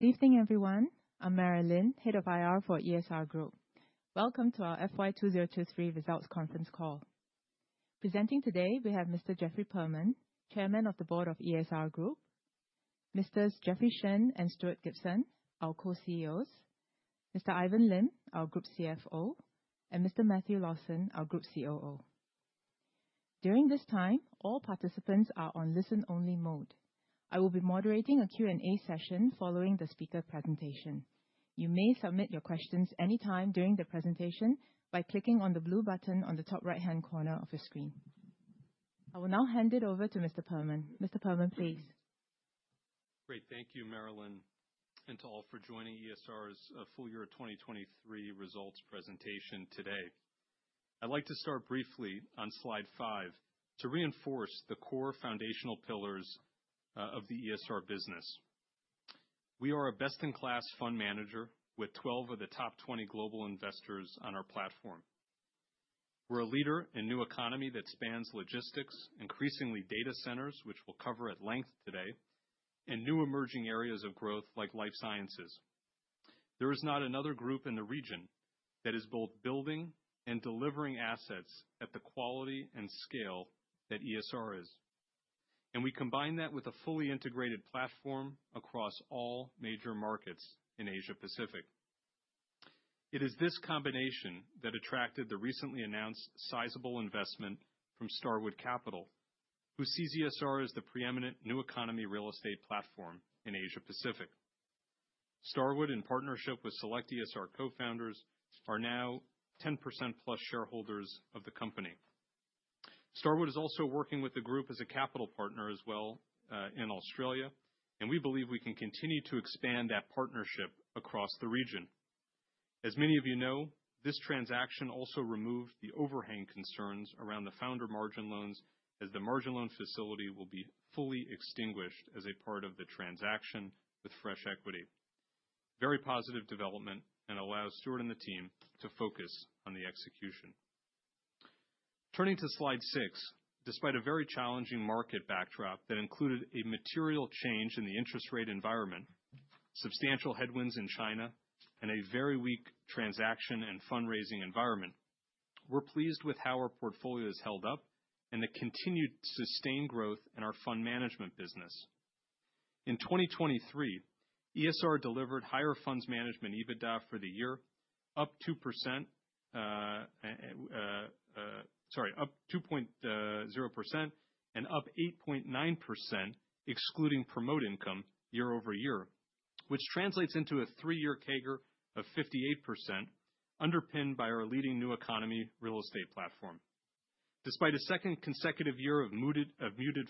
Good evening, everyone. I'm Marilyn, Head of IR for ESR Group. Welcome to our FY 2023 Results Conference Call. Presenting today, we have Mr. Jeffrey Perlman, Chairman of the Board of ESR Group, Mr. Jeffrey Shen and Stuart Gibson, our co-CEOs, Mr. Ivan Lim, our Group CFO, and Mr. Matthew Lawson, our Group COO. During this time, all participants are on listen-only mode. I will be moderating a Q&A session following the speaker presentation. You may submit your questions anytime during the presentation by clicking on the blue button on the top right-hand corner of your screen. I will now hand it over to Mr. Perlman. Mr. Perlman, please. Great. Thank you, Marilyn, and to all for joining ESR's full year of 2023 results presentation today. I'd like to start briefly on slide five to reinforce the core foundational pillars of the ESR business. We are a best-in-class fund manager with 12 of the top 20 global investors on our platform. We're a leader in a new economy that spans logistics, increasingly data centers, which we'll cover at length today, and new emerging areas of growth like life sciences. There is not another group in the region that is both building and delivering assets at the quality and scale that ESR is, and we combine that with a fully integrated platform across all major markets in Asia-Pacific. It is this combination that attracted the recently announced sizable investment from Starwood Capital, who sees ESR as the preeminent new economy real estate platform in Asia-Pacific. Starwood, in partnership with select ESR co-founders, are now 10%+ shareholders of the company. Starwood is also working with the group as a capital partner as well in Australia, and we believe we can continue to expand that partnership across the region. As many of you know, this transaction also removed the overhang concerns around the founder margin loans as the margin loan facility will be fully extinguished as a part of the transaction with fresh equity. Very positive development and allows Stuart and the team to focus on the execution. Turning to slide six, despite a very challenging market backdrop that included a material change in the interest rate environment, substantial headwinds in China, and a very weak transaction and fundraising environment, we're pleased with how our portfolio is held up and the continued sustained growth in our fund management business. In 2023, ESR delivered higher funds management EBITDA for the year, up 2% sorry, up 2.0% and up 8.9% excluding promote income year over year, which translates into a three-year CAGR of 58% underpinned by our leading new economy real estate platform. Despite a second consecutive year of muted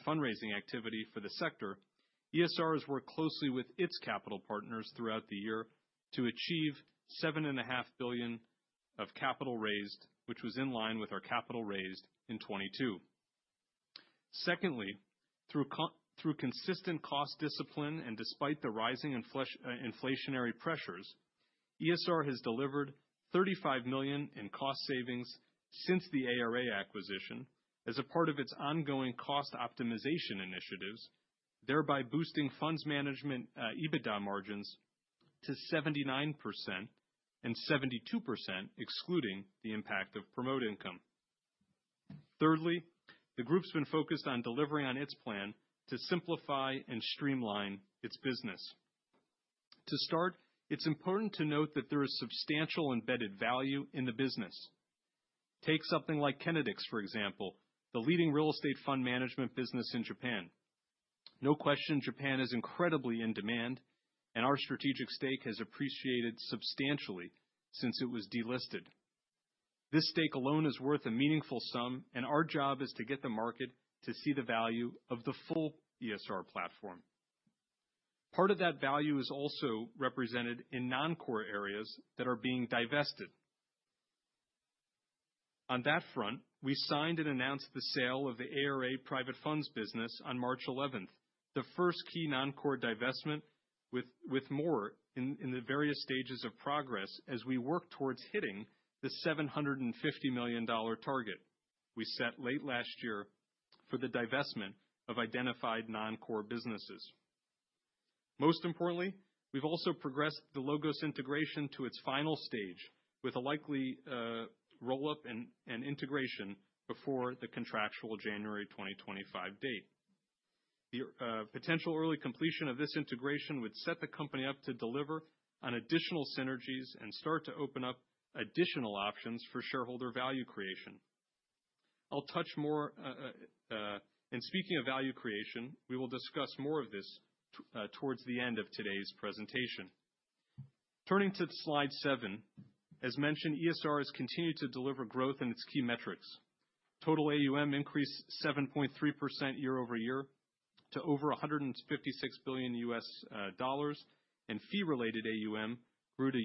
fundraising activity for the sector, ESR has worked closely with its capital partners throughout the year to achieve $7.5 billion of capital raised, which was in line with our capital raised in 2022. Secondly, through consistent cost discipline and despite the rising inflationary pressures, ESR has delivered $35 million in cost savings since the ARA acquisition as a part of its ongoing cost optimization initiatives, thereby boosting funds management EBITDA margins to 79% and 72% excluding the impact of promote income. Thirdly, the group's been focused on delivering on its plan to simplify and streamline its business. To start, it's important to note that there is substantial embedded value in the business. Take something like Kenedix, for example, the leading real estate fund management business in Japan. No question, Japan is incredibly in demand, and our strategic stake has appreciated substantially since it was delisted. This stake alone is worth a meaningful sum, and our job is to get the market to see the value of the full ESR platform. Part of that value is also represented in non-core areas that are being divested. On that front, we signed and announced the sale of the ARA Private Funds business on March 11, the first key non-core divestment with more in the various stages of progress as we work towards hitting the $750 million target we set late last year for the divestment of identified non-core businesses. Most importantly, we've also progressed the LOGOS integration to its final stage with a likely roll-up and integration before the contractual January 2025 date. The potential early completion of this integration would set the company up to deliver on additional synergies and start to open up additional options for shareholder value creation. I'll touch more in speaking of value creation. We will discuss more of this towards the end of today's presentation. Turning to slide seven, as mentioned, ESR has continued to deliver growth in its key metrics. Total AUM increased 7.3% year-over-year to over $156 billion, and fee-related AUM grew to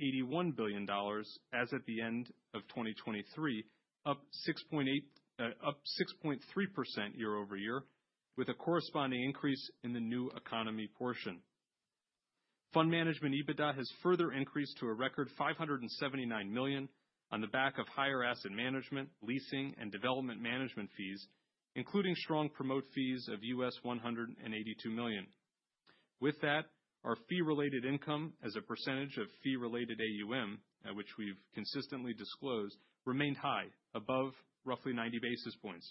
$81 billion as at the end of 2023, up 6.3% year-over-year, with a corresponding increase in the new economy portion. Fund management EBITDA has further increased to a record $579 million on the back of higher asset management, leasing, and development management fees, including strong promote fees of $182 million. With that, our fee-related income as a percentage of fee-related AUM, which we've consistently disclosed, remained high, above roughly 90 basis points.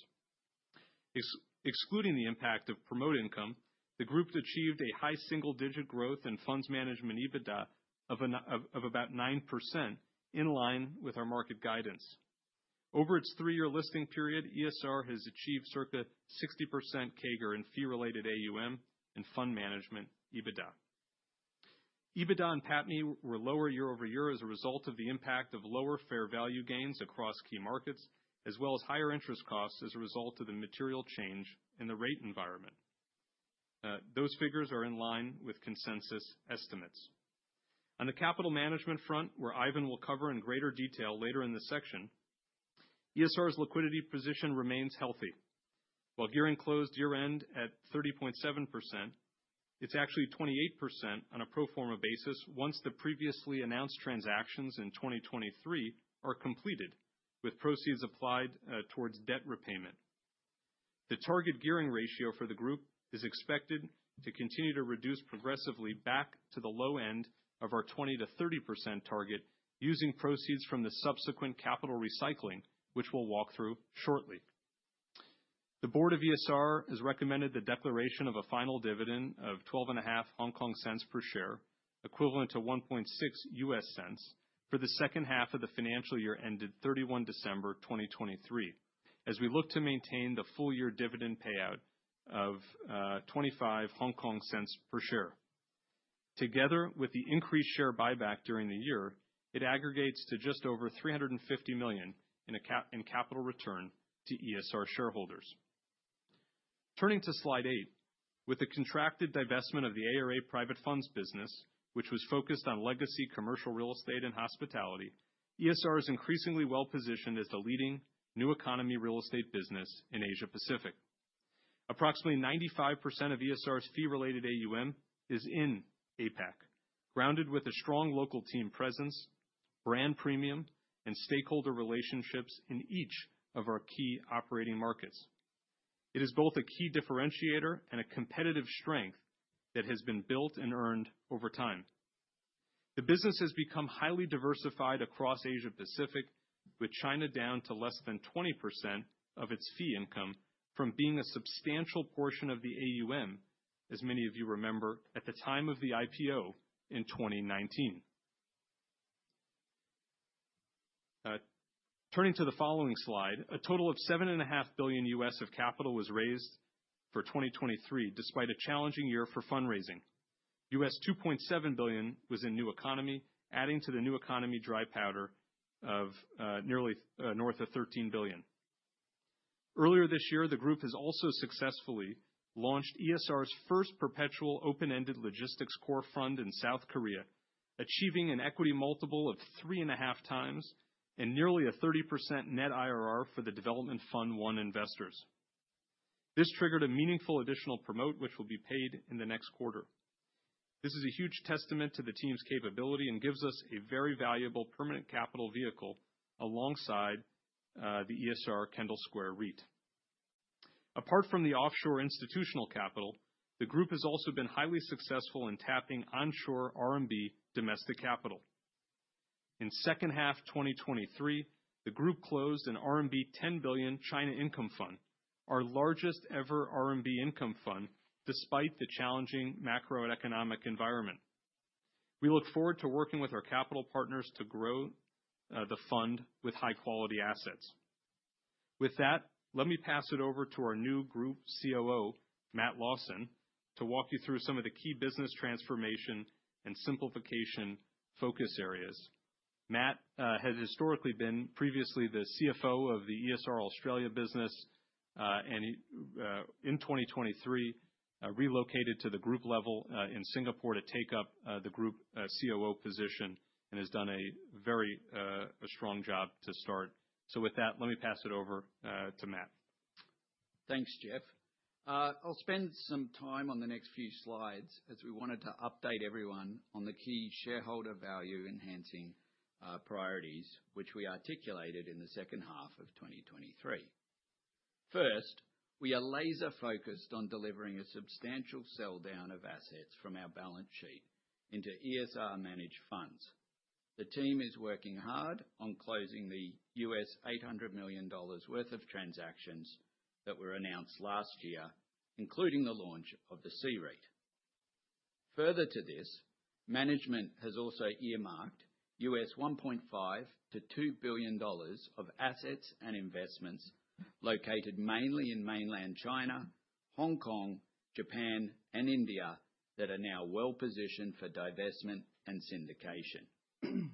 Excluding the impact of promote income, the group achieved a high single-digit growth in funds management EBITDA of about 9%, in line with our market guidance. Over its three-year listing period, ESR has achieved circa 60% CAGR in fee-related AUM and fund management EBITDA. EBITDA and PATMI were lower year-over-year as a result of the impact of lower fair value gains across key markets, as well as higher interest costs as a result of the material change in the rate environment. Those figures are in line with consensus estimates. On the capital management front, where Ivan will cover in greater detail later in the section, ESR's liquidity position remains healthy. While gearing closed year-end at 30.7%, it's actually 28% on a pro forma basis once the previously announced transactions in 2023 are completed, with proceeds applied towards debt repayment. The target gearing ratio for the group is expected to continue to reduce progressively back to the low end of our 20%-30% target using proceeds from the subsequent capital recycling, which we'll walk through shortly. The Board of ESR has recommended the declaration of a final dividend of 12.5 per share, equivalent to $0.016, for the second half of the financial year ended 31 December 2023, as we look to maintain the full-year dividend payout of 0.25 per share. Together with the increased share buyback during the year, it aggregates to just over $350 million in capital return to ESR shareholders. Turning to slide eight, with the contracted divestment of the ARA Private Funds business, which was focused on legacy commercial real estate and hospitality, ESR is increasingly well-positioned as the leading new economy real estate business in Asia-Pacific. Approximately 95% of ESR's fee-related AUM is in APAC, grounded with a strong local team presence, brand premium, and stakeholder relationships in each of our key operating markets. It is both a key differentiator and a competitive strength that has been built and earned over time. The business has become highly diversified across Asia-Pacific, with China down to less than 20% of its fee income from being a substantial portion of the AUM, as many of you remember at the time of the IPO in 2019. Turning to the following slide, a total of $7.5 billion of capital was raised for 2023 despite a challenging year for fundraising. $2.7 billion was in new economy, adding to the new economy dry powder of nearly north of $13 billion. Earlier this year, the group has also successfully launched ESR's first perpetual open-ended logistics core fund in South Korea, achieving a 3.5x equity multiple and nearly 30% net IRR for the Development Fund One investors. This triggered a meaningful additional promote, which will be paid in the next quarter. This is a huge testament to the team's capability and gives us a very valuable permanent capital vehicle alongside the ESR KendallSquare REIT. Apart from the offshore institutional capital, the group has also been highly successful in tapping onshore RMB domestic capital. In the second half of 2023, the group closed an RMB 10 billion China Income Fund, our largest-ever RMB income fund despite the challenging macroeconomic environment. We look forward to working with our capital partners to grow the fund with high-quality assets. With that, let me pass it over to our new Group COO, Matt Lawson, to walk you through some of the key business transformation and simplification focus areas. Matt has historically been previously the CFO of the ESR Australia business, and in 2023 relocated to the group level in Singapore to take up the Group COO position and has done a very strong job to start. So with that, let me pass it over to Matt. Thanks, Jeff. I'll spend some time on the next few slides as we wanted to update everyone on the key shareholder value enhancing priorities, which we articulated in the second half of 2023. First, we are laser-focused on delivering a substantial sell-down of assets from our balance sheet into ESR-managed funds. The team is working hard on closing the $800 million worth of transactions that were announced last year, including the launch of the C-REIT. Further to this, management has also earmarked $1.5-$2 billion of assets and investments located mainly in mainland China, Hong Kong, Japan, and India that are now well-positioned for divestment and syndication.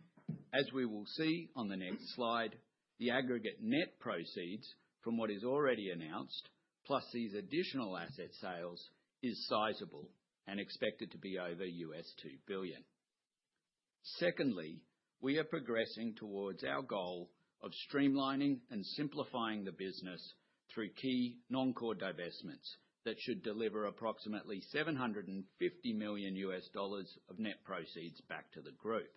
As we will see on the next slide, the aggregate net proceeds from what is already announced, plus these additional asset sales, is sizable and expected to be over $2 billion. Secondly, we are progressing towards our goal of streamlining and simplifying the business through key non-core divestments that should deliver approximately $750 million of net proceeds back to the group.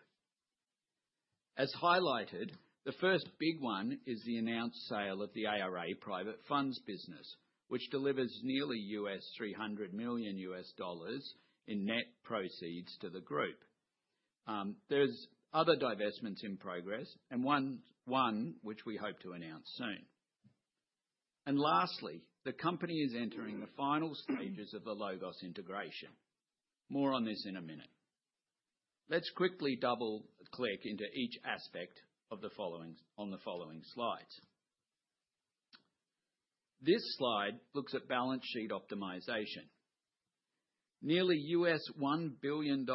As highlighted, the first big one is the announced sale of the ARA Private Funds business, which delivers nearly $300 million in net proceeds to the group. There are other divestments in progress, and one which we hope to announce soon. Lastly, the company is entering the final stages of the LOGOS integration. More on this in a minute. Let's quickly double-click into each aspect on the following slides. This slide looks at balance sheet optimization. Nearly $1 billion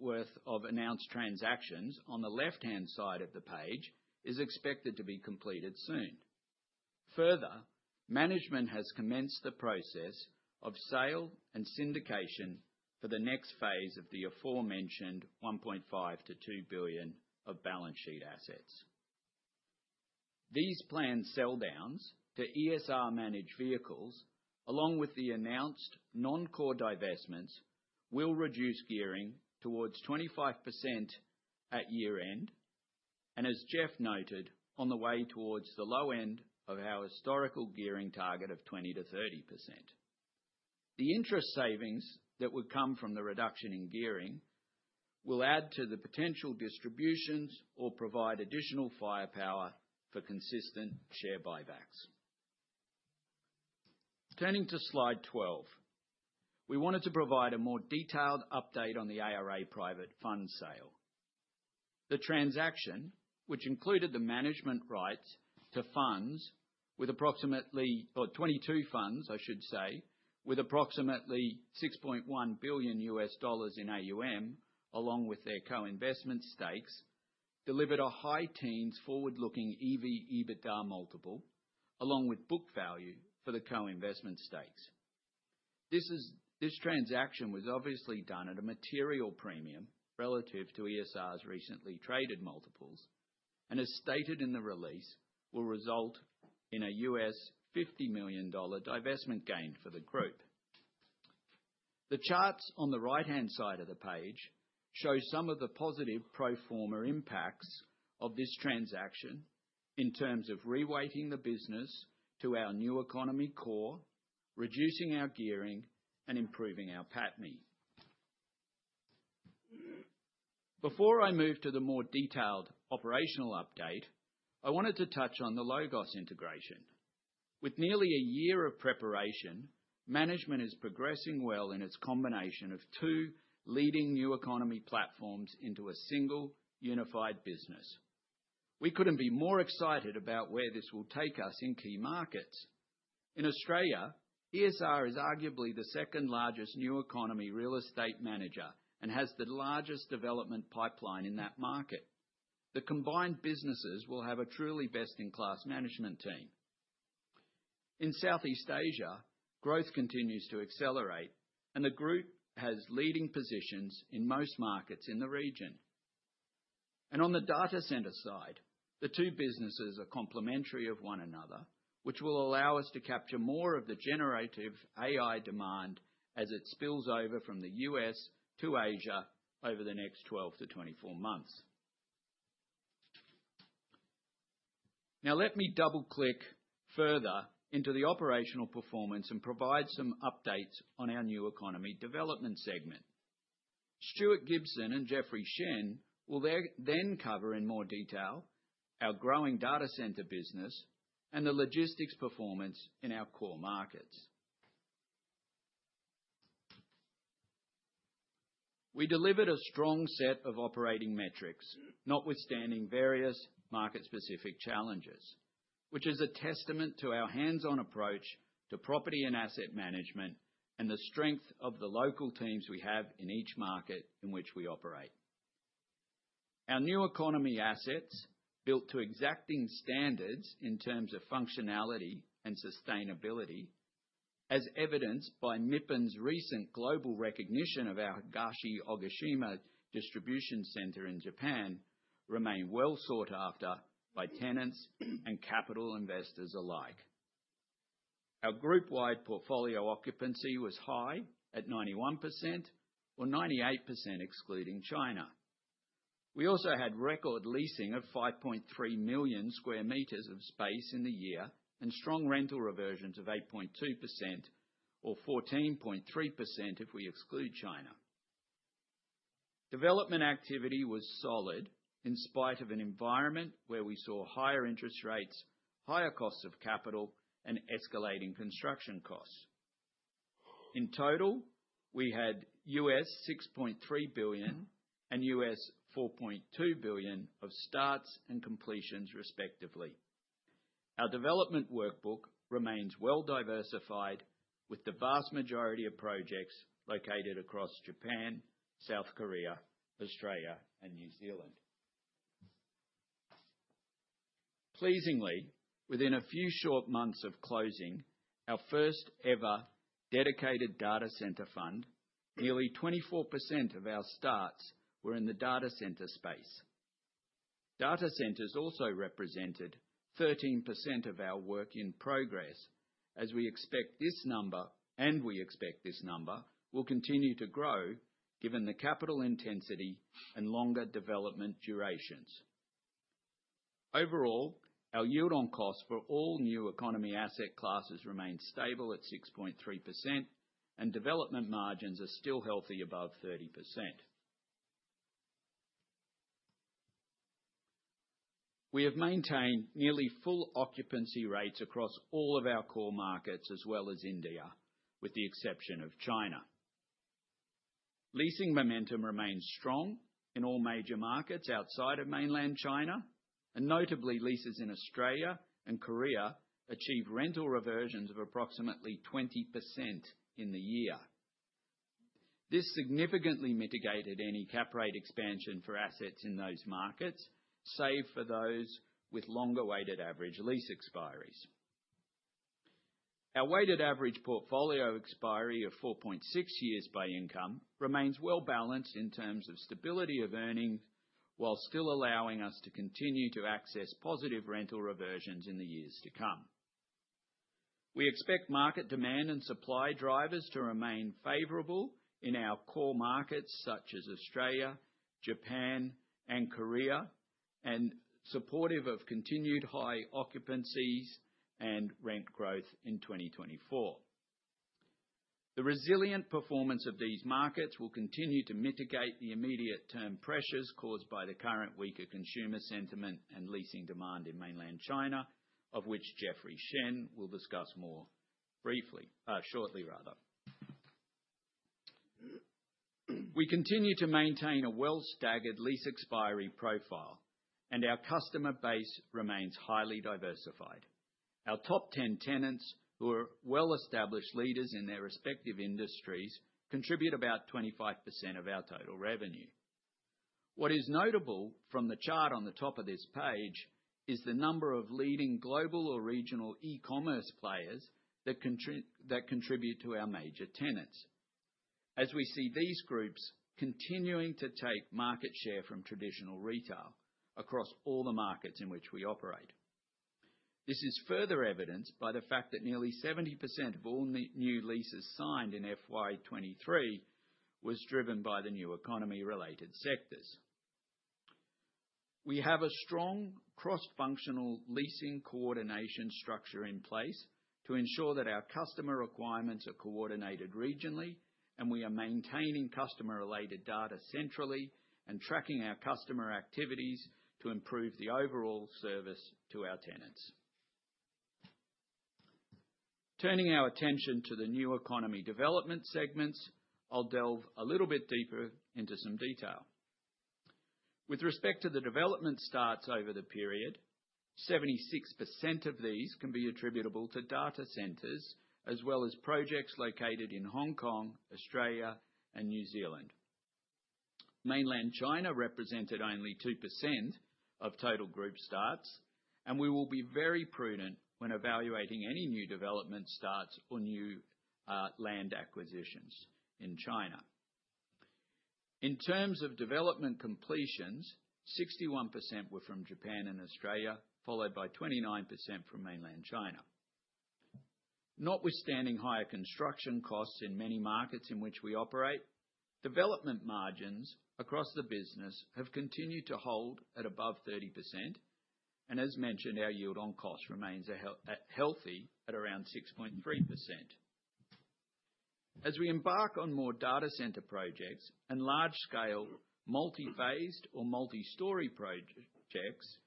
worth of announced transactions on the left-hand side of the page is expected to be completed soon. Further, management has commenced the process of sale and syndication for the next phase of the aforementioned $1.5 billion-$2 billion of balance sheet assets. These planned sell-downs to ESR-managed vehicles, along with the announced non-core divestments, will reduce gearing towards 25% at year-end, and as Jeff noted, on the way towards the low end of our historical gearing target of 20%-30%. The interest savings that would come from the reduction in gearing will add to the potential distributions or provide additional firepower for consistent share buybacks. Turning to slide 12, we wanted to provide a more detailed update on the ARA Private Funds sale. The transaction, which included the management rights to funds with approximately or 22 funds, I should say, with approximately $6.1 billion in AUM, along with their co-investment stakes, delivered a high teens forward-looking EV/EBITDA multiple, along with book value for the co-investment stakes. This transaction was obviously done at a material premium relative to ESR's recently traded multiples, and as stated in the release, will result in a $50 million divestment gain for the group. The charts on the right-hand side of the page show some of the positive pro forma impacts of this transaction in terms of reweighting the business to our new economy core, reducing our gearing, and improving our PATMI. Before I move to the more detailed operational update, I wanted to touch on the LOGOS integration. With nearly a year of preparation, management is progressing well in its combination of two leading new economy platforms into a single unified business. We couldn't be more excited about where this will take us in key markets. In Australia, ESR is arguably the second largest new economy real estate manager and has the largest development pipeline in that market. The combined businesses will have a truly best-in-class management team. In Southeast Asia, growth continues to accelerate, and the group has leading positions in most markets in the region. On the data center side, the two businesses are complementary of one another, which will allow us to capture more of the generative AI demand as it spills over from the U.S. to Asia over the next 12-24 months. Now let me double-click further into the operational performance and provide some updates on our new economy development segment. Stuart Gibson and Jeffrey Shen will then cover in more detail our growing data center business and the logistics performance in our core markets. We delivered a strong set of operating metrics notwithstanding various market-specific challenges, which is a testament to our hands-on approach to property and asset management and the strength of the local teams we have in each market in which we operate. Our new economy assets, built to exacting standards in terms of functionality and sustainability, as evidenced by MIPIM's recent global recognition of our Higashi Ogishima Distribution Center in Japan, remain well sought after by tenants and capital investors alike. Our group-wide portfolio occupancy was high at 91%, or 98% excluding China. We also had record leasing of 5.3 million sqm of space in the year and strong rental reversions of 8.2%, or 14.3% if we exclude China. Development activity was solid in spite of an environment where we saw higher interest rates, higher costs of capital, and escalating construction costs. In total, we had $6.3 billion and $4.2 billion of starts and completions respectively. Our development workbook remains well-diversified with the vast majority of projects located across Japan, South Korea, Australia, and New Zealand. Pleasingly, within a few short months of closing our first-ever dedicated data center fund, nearly 24% of our starts were in the data center space. Data centers also represented 13% of our work in progress, as we expect this number, and we expect this number, will continue to grow given the capital intensity and longer development durations. Overall, our yield on cost for all new economy asset classes remains stable at 6.3%, and development margins are still healthy above 30%. We have maintained nearly full occupancy rates across all of our core markets as well as India, with the exception of China. Leasing momentum remains strong in all major markets outside of Mainland China, and notably leases in Australia and Korea achieve rental reversions of approximately 20% in the year. This significantly mitigated any cap rate expansion for assets in those markets, save for those with longer weighted average lease expiries. Our weighted average portfolio expiry of 4.6 years by income remains well-balanced in terms of stability of earnings, while still allowing us to continue to access positive rental reversions in the years to come. We expect market demand and supply drivers to remain favorable in our core markets such as Australia, Japan, and Korea, and supportive of continued high occupancies and rent growth in 2024. The resilient performance of these markets will continue to mitigate the immediate-term pressures caused by the current weaker consumer sentiment and leasing demand in Mainland China, of which Jeffrey Shen will discuss more shortly. We continue to maintain a well-staggered lease expiry profile, and our customer base remains highly diversified. Our top 10 tenants, who are well-established leaders in their respective industries, contribute about 25% of our total revenue. What is notable from the chart on the top of this page is the number of leading global or regional e-commerce players that contribute to our major tenants, as we see these groups continuing to take market share from traditional retail across all the markets in which we operate. This is further evidenced by the fact that nearly 70% of all new leases signed in FY 2023 was driven by the new economy-related sectors. We have a strong cross-functional leasing coordination structure in place to ensure that our customer requirements are coordinated regionally, and we are maintaining customer-related data centrally and tracking our customer activities to improve the overall service to our tenants. Turning our attention to the new economy development segments, I'll delve a little bit deeper into some detail. With respect to the development starts over the period, 76% of these can be attributable to data centers as well as projects located in Hong Kong, Australia, and New Zealand. Mainland China represented only 2% of total group starts, and we will be very prudent when evaluating any new development starts or new land acquisitions in China. In terms of development completions, 61% were from Japan and Australia, followed by 29% from mainland China. Notwithstanding higher construction costs in many markets in which we operate, development margins across the business have continued to hold at above 30%, and as mentioned, our yield on cost remains healthy at around 6.3%. As we embark on more data center projects and large-scale multi-phased or multi-story projects,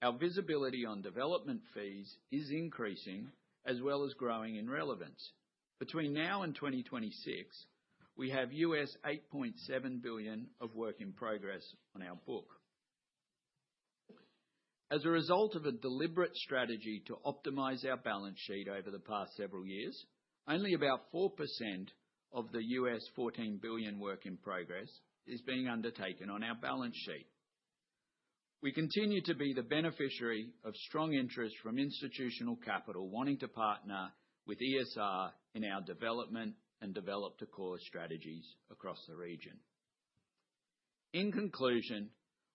our visibility on development fees is increasing as well as growing in relevance. Between now and 2026, we have $8.7 billion of work in progress on our book. As a result of a deliberate strategy to optimize our balance sheet over the past several years, only about 4% of the $14 billion work in progress is being undertaken on our balance sheet. We continue to be the beneficiary of strong interest from institutional capital wanting to partner with ESR in our development and develop-to-core strategies across the region. In conclusion,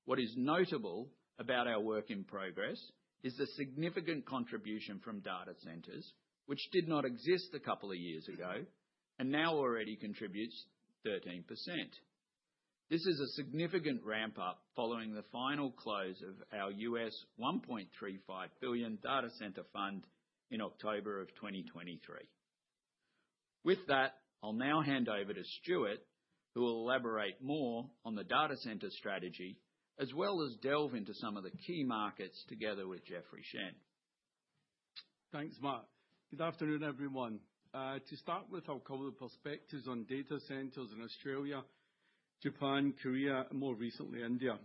what is notable about our work in progress is the significant contribution from data centers, which did not exist a couple of years ago and now already contributes 13%. This is a significant ramp-up following the final close of our $1.35 billion data center fund in October of 2023. With that, I'll now hand over to Stuart, who will elaborate more on the data center strategy as well as delve into some of the key markets together with Jeffrey Shen. Thanks, Matt. Good afternoon, everyone. To start with, I'll cover the perspectives on data centers in Australia, Japan, Korea, and more recently India.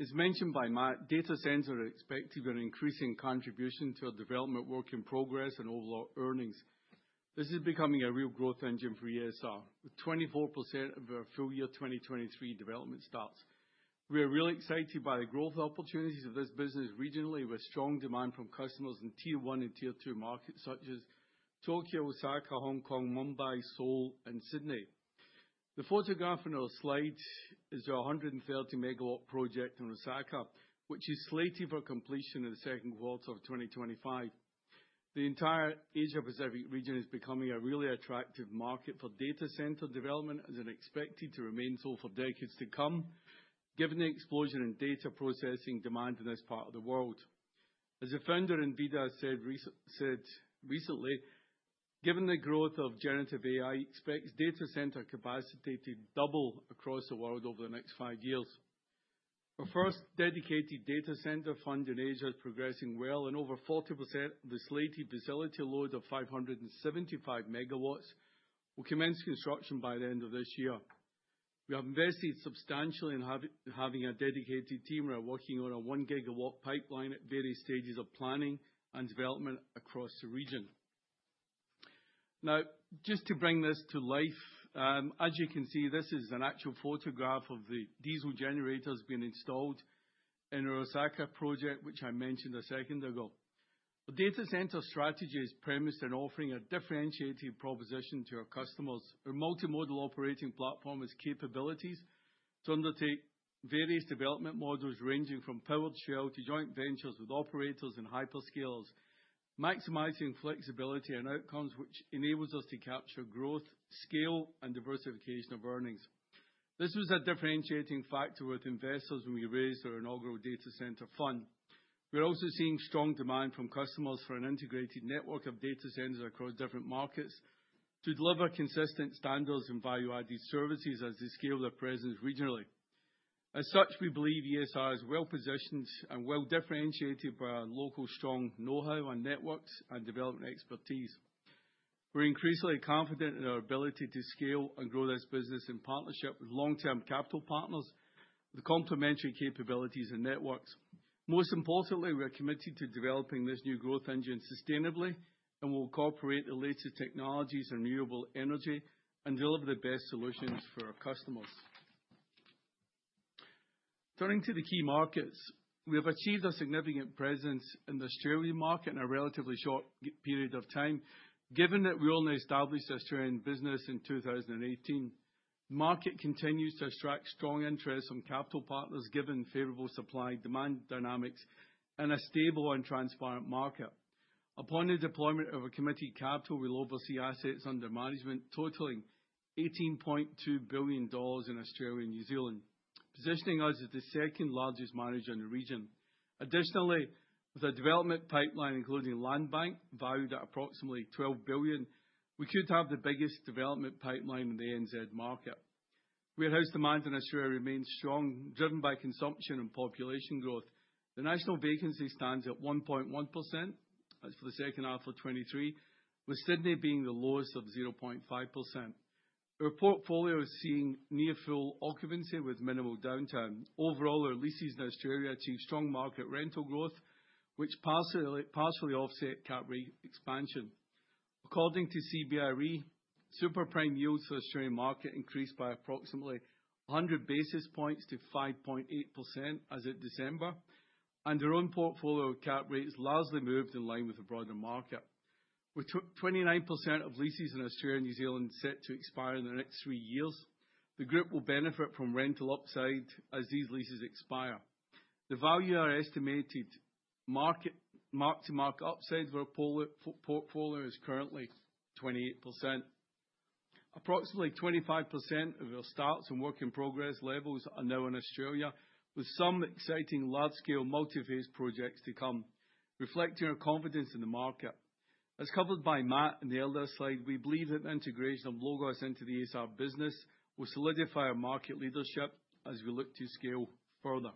As mentioned by Matt, data centers are expected to be an increasing contribution to our development work in progress and overall earnings. This is becoming a real growth engine for ESR, with 24% of our full year 2023 development starts. We are really excited by the growth opportunities of this business regionally, with strong demand from customers in Tier 1 and Tier 2 markets such as Tokyo, Osaka, Hong Kong, Mumbai, Seoul, and Sydney. The photograph on our slide is our 130 MW project in Osaka, which is slated for completion in the second quarter of 2025. The entire Asia-Pacific region is becoming a really attractive market for data center development and is expected to remain so for decades to come, given the explosion in data processing demand in this part of the world. As a founder, NVIDIA, said recently, given the growth of generative AI, it expects data center capacity to double across the world over the next five years. Our first dedicated data center fund in Asia is progressing well, and over 40% of the slated facility load of 575 MW will commence construction by the end of this year. We have invested substantially in having a dedicated team working on a 1 GW pipeline at various stages of planning and development across the region. Now, just to bring this to life, as you can see, this is an actual photograph of the diesel generators being installed in our Osaka project, which I mentioned a second ago. Our data center strategy is premised on offering a differentiated proposition to our customers. Our multimodal operating platform has capabilities to undertake various development models ranging from powered shell to joint ventures with operators and hyperscalers, maximizing flexibility and outcomes which enables us to capture growth, scale, and diversification of earnings. This was a differentiating factor with investors when we raised our inaugural data center fund. We're also seeing strong demand from customers for an integrated network of data centers across different markets to deliver consistent standards and value-added services as they scale their presence regionally. As such, we believe ESR is well-positioned and well-differentiated by our local strong know-how and networks and development expertise. We're increasingly confident in our ability to scale and grow this business in partnership with long-term capital partners, with complementary capabilities and networks. Most importantly, we are committed to developing this new growth engine sustainably and will incorporate the latest technologies and renewable energy and deliver the best solutions for our customers. Turning to the key markets, we have achieved a significant presence in the Australian market in a relatively short period of time. Given that we have now established the Australian business in 2018, the market continues to attract strong interest from capital partners given favorable supply-demand dynamics and a stable and transparent market. Upon the deployment of committed capital, we'll oversee assets under management totaling $18.2 billion in Australia and New Zealand, positioning us as the second largest manager in the region. Additionally, with a development pipeline including land bank valued at approximately $12 billion, we could have the biggest development pipeline in the NZ market. Warehouse demand in Australia remains strong, driven by consumption and population growth. The national vacancy stands at 1.1%, that's for the second half of 2023, with Sydney being the lowest of 0.5%. Our portfolio is seeing near-full occupancy with minimal downtime. Overall, our leases in Australia achieve strong market rental growth, which partially offsets cap rate expansion. According to CBRE, superprime yields for the Australian market increased by approximately 100 basis points to 5.8% as of December, and our own portfolio cap rate has largely moved in line with the broader market. With 29% of leases in Australia and New Zealand set to expire in the next three years, the group will benefit from rental upside as these leases expire. The value of our estimated mark-to-market upside for our portfolio is currently 28%. Approximately 25% of our starts and work in progress levels are now in Australia, with some exciting large-scale multi-phased projects to come, reflecting our confidence in the market. As covered by Matt in the earlier slide, we believe that the integration of LOGOS into the ESR business will solidify our market leadership as we look to scale further.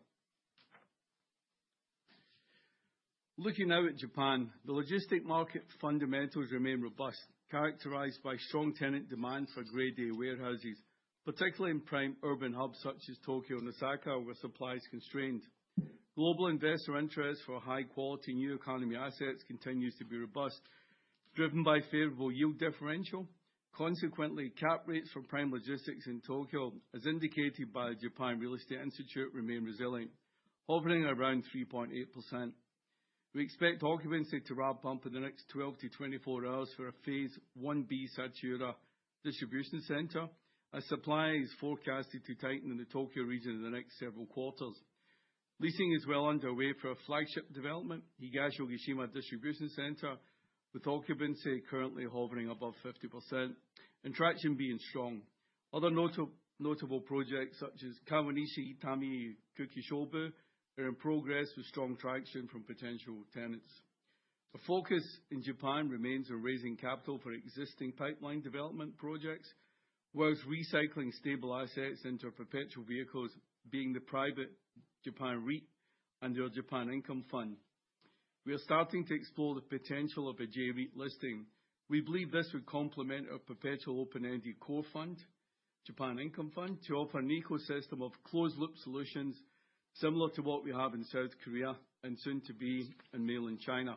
Looking now at Japan, the logistics market fundamentals remain robust, characterized by strong tenant demand for Grade A warehouses, particularly in prime urban hubs such as Tokyo and Osaka, where supply is constrained. Global investor interest for high-quality new economy assets continues to be robust, driven by a favorable yield differential. Consequently, cap rates for prime logistics in Tokyo, as indicated by the Japan Real Estate Institute, remain resilient, hovering around 3.8%. We expect occupancy to ramp up in the next 12-24 hours for a phase I-B Sachiura Distribution Center, as supply is forecasted to tighten in the Tokyo region in the next several quarters. Leasing is well underway for a flagship development, Higashi Ogishima Distribution Center, with occupancy currently hovering above 50% and traction being strong. Other notable projects such as Kawanishi, Itami, and Kuki Shobu are in progress with strong traction from potential tenants. Our focus in Japan remains on raising capital for existing pipeline development projects, whereas recycling stable assets into perpetual vehicles being the private Japan REIT and our Japan Income Fund. We are starting to explore the potential of a J-REIT listing. We believe this would complement our perpetual open-ended core fund, Japan Income Fund, to offer an ecosystem of closed-loop solutions similar to what we have in South Korea and soon to be in mainland China.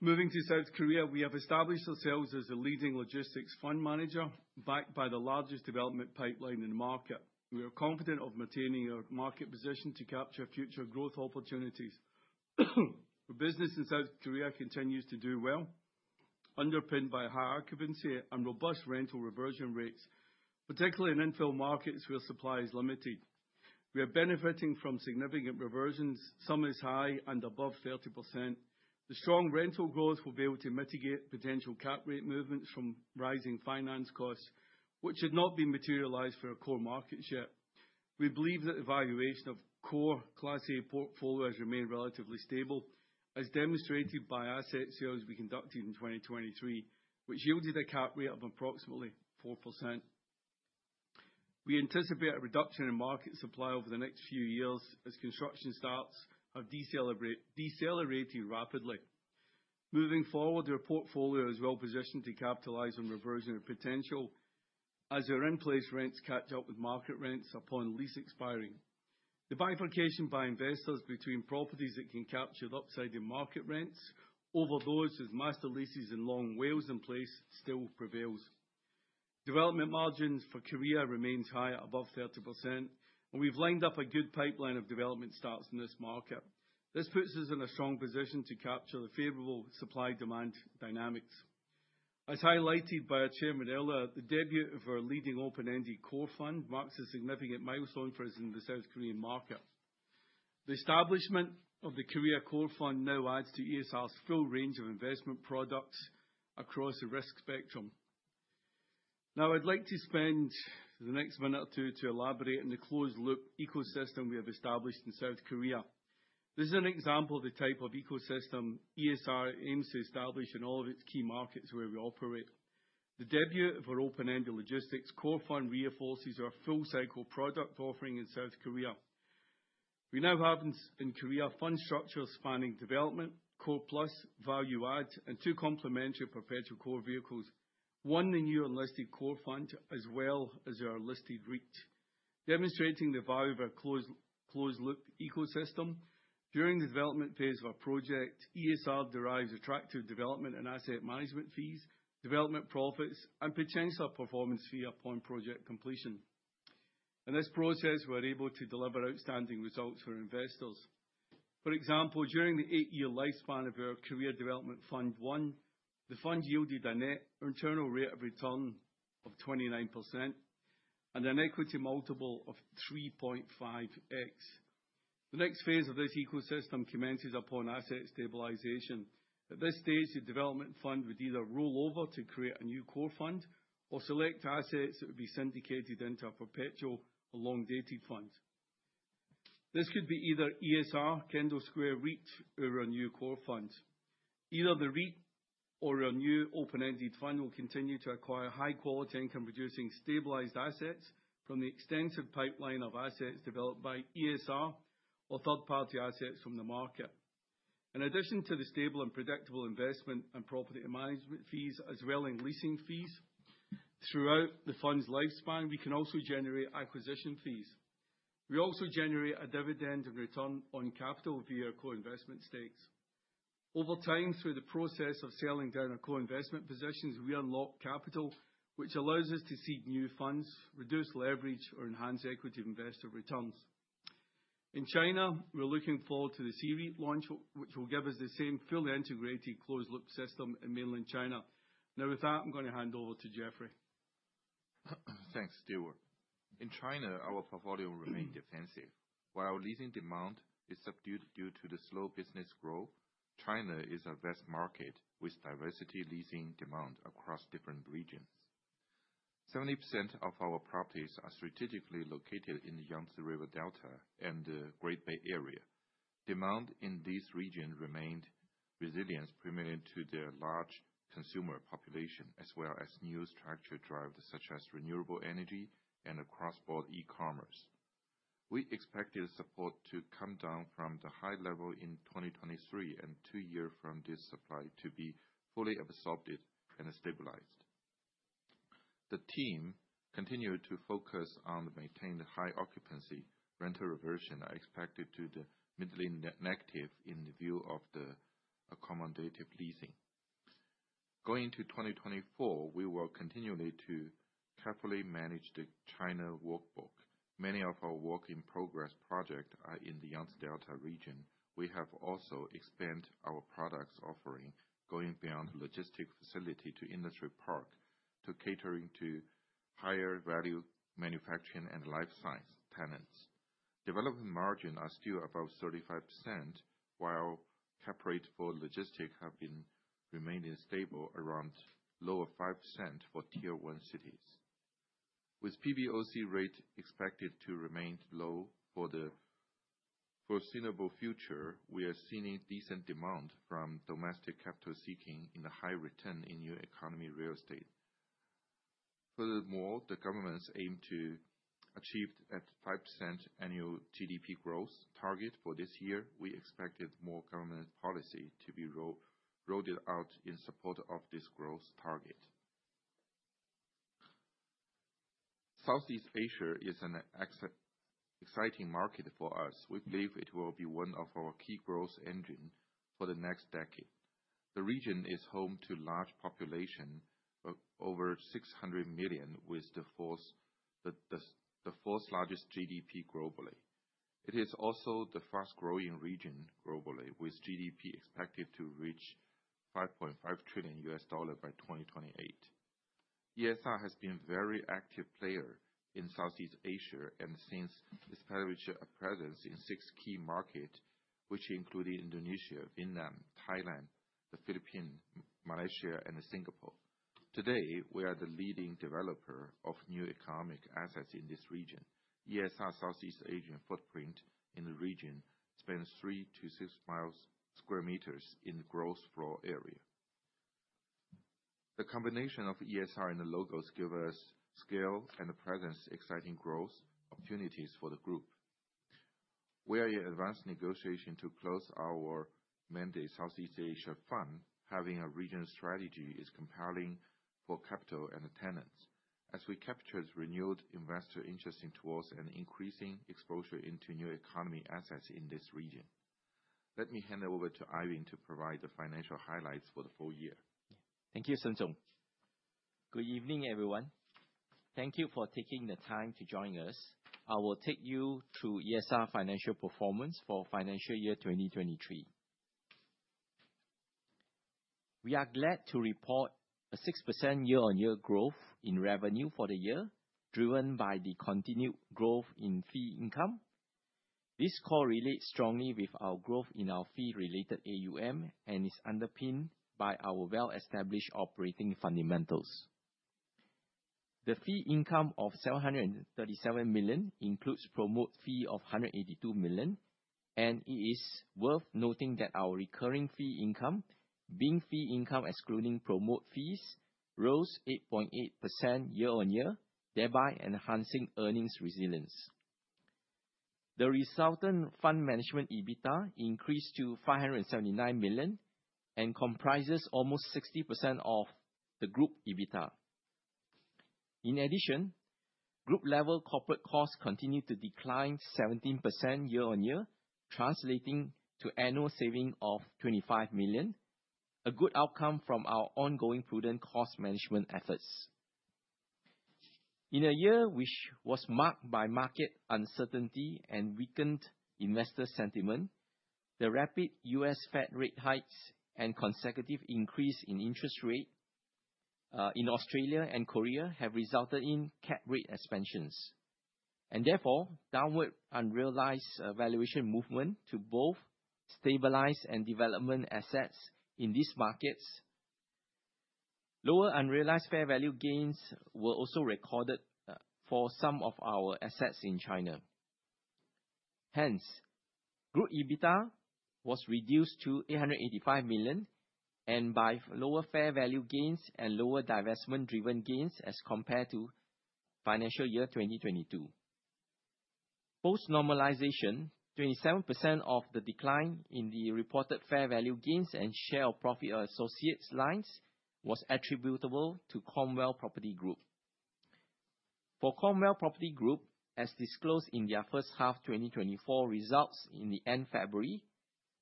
Moving to South Korea, we have established ourselves as a leading logistics fund manager, backed by the largest development pipeline in the market. We are confident of maintaining our market position to capture future growth opportunities. Our business in South Korea continues to do well, underpinned by high occupancy and robust rental reversion rates, particularly in infill markets where supply is limited. We are benefiting from significant reversions. Some are high and above 30%. The strong rental growth will be able to mitigate potential cap rate movements from rising finance costs, which had not been materialized for our core markets yet. We believe that the valuation of core Class A portfolios remains relatively stable, as demonstrated by asset sales we conducted in 2023, which yielded a cap rate of approximately 4%. We anticipate a reduction in market supply over the next few years as construction starts have decelerated rapidly. Moving forward, our portfolio is well positioned to capitalize on reversion of potential, as our in-place rents catch up with market rents upon lease expiring. The bifurcation by investors between properties that can capture the upside in market rents over those with master leases and long tails in place still prevails. Development margins for Korea remain high, above 30%, and we've lined up a good pipeline of development starts in this market. This puts us in a strong position to capture the favorable supply-demand dynamics. As highlighted by our chairman earlier, the debut of our leading open-ended core fund marks a significant milestone for us in the South Korean market. The establishment of the Korea Core Fund now adds to ESR's full range of investment products across a risk spectrum. Now, I'd like to spend the next minute or two to elaborate on the closed-loop ecosystem we have established in South Korea. This is an example of the type of ecosystem ESR aims to establish in all of its key markets where we operate. The debut of our open-ended logistics core fund reinforces our full-cycle product offering in South Korea. We now have in Korea fund structures spanning development, core plus, value add, and two complementary perpetual core vehicles: one, the new unlisted core fund, as well as our listed REIT, demonstrating the value of our closed-loop ecosystem. During the development phase of our project, ESR derives attractive development and asset management fees, development profits, and potential performance fee upon project completion. In this process, we are able to deliver outstanding results for investors. For example, during the eight-year lifespan of our Korea Development Fund One, the fund yielded a net internal rate of return of 29% and an equity multiple of 3.5x. The next phase of this ecosystem commences upon asset stabilization. At this stage, the development fund would either roll over to create a new core fund or select assets that would be syndicated into a perpetual or long-dated fund. This could be either ESR, Kendall Square REIT, or a new core fund. Either the REIT or a new open-ended fund will continue to acquire high-quality income-producing stabilized assets from the extensive pipeline of assets developed by ESR or third-party assets from the market. In addition to the stable and predictable investment and property management fees, as well as leasing fees, throughout the fund's lifespan we can also generate acquisition fees. We also generate a dividend and return on capital via co-investment stakes. Over time, through the process of selling down our co-investment positions, we unlock capital, which allows us to seed new funds, reduce leverage, or enhance equity investor returns. In China, we're looking forward to the C-REIT launch, which will give us the same fully integrated closed-loop system in mainland China. Now, with that, I'm going to hand over to Jeffrey. Thanks, Stewart. In China, our portfolio remains defensive. While leasing demand is subdued due to the slow business growth, China is a vast market with diverse leasing demand across different regions. 70% of our properties are strategically located in the Yangtze River Delta and the Great Bay Area. Demand in these regions remained resilient, primarily due to the large consumer population, as well as new infrastructure drives such as renewable energy and cross-border e-commerce. We expect supply to come down from the high level in 2023, and two years from now this supply to be fully absorbed and stabilized. The team continued to focus on maintaining high occupancy. Rental reversion is expected to be mildly negative in view of accommodative leasing. Going into 2024, we will continue to carefully manage the China work in progress. Many of our work in progress projects are in the Yangtze River Delta region. We have also expanded our products offering, going beyond logistic facility to industry park, to catering to higher-value manufacturing and life science tenants. Development margins are still above 35%, while cap rates for logistics have remained stable, around lower 5% for Tier 1 cities. With PBOC rates expected to remain low for the foreseeable future, we are seeing decent demand from domestic capital seeking and a high return in new economy real estate. Furthermore, the government aims to achieve a 5% annual GDP growth target for this year. We expected more government policy to be rolled out in support of this growth target. Southeast Asia is an exciting market for us. We believe it will be one of our key growth engines for the next decade. The region is home to a large population, over 600 million, with the fourth largest GDP globally. It is also the fast-growing region globally, with GDP expected to reach $5.5 trillion by 2028. ESR has been a very active player in Southeast Asia and since established a presence in six key markets, which include Indonesia, Vietnam, Thailand, the Philippines, Malaysia, and Singapore. Today, we are the leading developer of new economy assets in this region. ESR's Southeast Asian footprint in the region spans three to six million square meters in the gross floor area. The combination of ESR and LOGOS gives us scale and presence, exciting growth opportunities for the group. We are in advanced negotiations to close our mandate Southeast Asia fund. Having a regional strategy is compelling for capital and tenants, as we capture renewed investor interest towards an increasing exposure into new economy assets in this region. Let me hand over to Ivan to provide the financial highlights for the full year. Thank you, Shen. Good evening, everyone. Thank you for taking the time to join us. I will take you through ESR financial performance for financial year 2023. We are glad to report a 6% year-on-year growth in revenue for the year, driven by the continued growth in fee income. This core relates strongly with our growth in our fee-related AUM and is underpinned by our well-established operating fundamentals. The fee income of $737 million includes promote fee of $182 million, and it is worth noting that our recurring fee income, being fee income excluding promote fees, rose 8.8% year-on-year, thereby enhancing earnings resilience. The resultant fund management EBITDA increased to $579 million and comprises almost 60% of the group EBITDA. In addition, group-level corporate costs continued to decline 17% year-on-year, translating to annual savings of $25 million, a good outcome from our ongoing prudent cost management efforts. In a year which was marked by market uncertainty and weakened investor sentiment, the rapid U.S. Fed rate hikes and consecutive increase in interest rates in Australia and Korea have resulted in cap rate expansions, and therefore downward unrealized valuation movement to both stabilized and development assets in these markets. Lower unrealized fair value gains were also recorded for some of our assets in China. Hence, group EBITDA was reduced to $885 million by lower fair value gains and lower divestment-driven gains as compared to financial year 2022. Post-normalization, 27% of the decline in the reported fair value gains and share of profit associates lines was attributable to Cromwell Property Group. For Cromwell Property Group, as disclosed in their first half 2024 results in the end of February,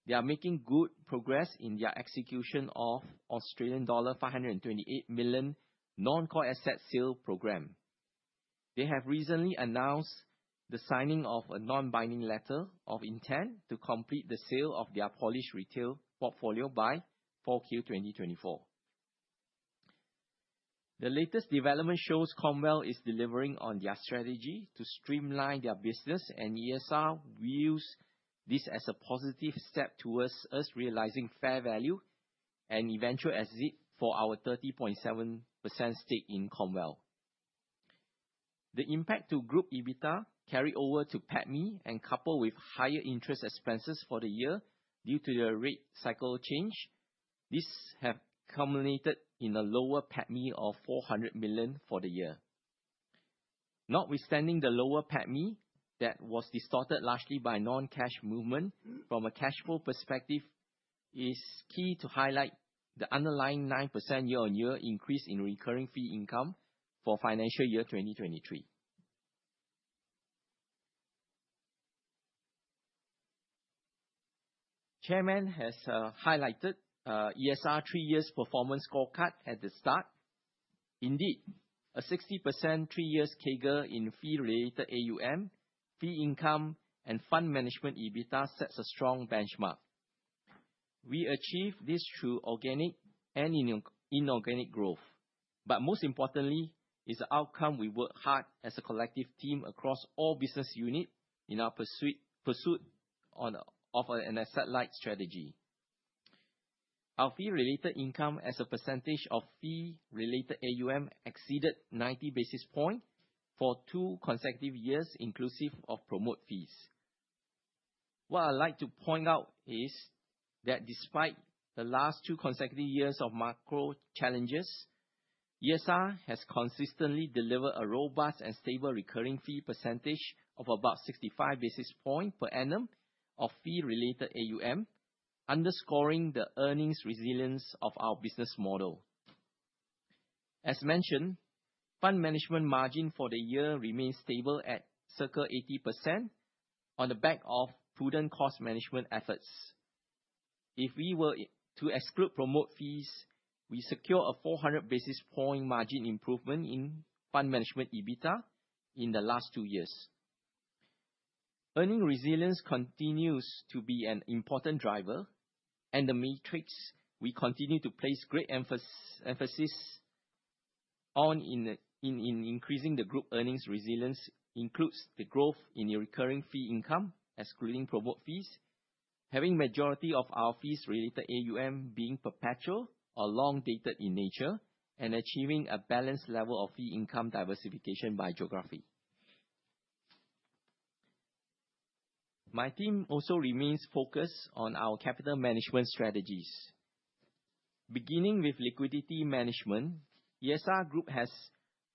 they are making good progress in their execution of Australian dollar 528 million non-core asset sale program. They have recently announced the signing of a non-binding letter of intent to complete the sale of their Polish retail portfolio by 4Q 2024. The latest development shows Cromwell is delivering on their strategy to streamline their business, and ESR views this as a positive step towards us realizing fair value and eventual exit for our 30.7% stake in Cromwell. The impact to group EBITDA carried over to PATMI and coupled with higher interest expenses for the year due to the rate cycle change, these have culminated in a lower PATMI of $400 million for the year. Notwithstanding the lower PATMI that was distorted largely by non-cash movement, from a cash flow perspective, it is key to highlight the underlying 9% year-on-year increase in recurring fee income for financial year 2023. Chairman has highlighted ESR's three-year performance scorecard at the start. Indeed, a 60% three-year CAGR in fee-related AUM, fee income, and fund management EBITDA sets a strong benchmark. We achieved this through organic and inorganic growth, but most importantly, it is an outcome we worked hard as a collective team across all business units in our pursuit of an asset-light strategy. Our fee-related income as a percentage of fee-related AUM exceeded 90 basis points for two consecutive years inclusive of promote fees. What I'd like to point out is that despite the last two consecutive years of macro challenges, ESR has consistently delivered a robust and stable recurring fee percentage of about 65 basis points per annum of fee-related AUM, underscoring the earnings resilience of our business model. As mentioned, fund management margin for the year remained stable at circa 80% on the back of prudent cost management efforts. If we were to exclude promote fees, we secured a 400 basis points margin improvement in fund management EBITDA in the last two years. Earnings resilience continues to be an important driver, and the metrics we continue to place great emphasis on in increasing the group earnings resilience include the growth in recurring fee income excluding promote fees, having the majority of our fee-related AUM being perpetual or long-dated in nature, and achieving a balanced level of fee income diversification by geography. My team also remains focused on our capital management strategies. Beginning with liquidity management, ESR Group has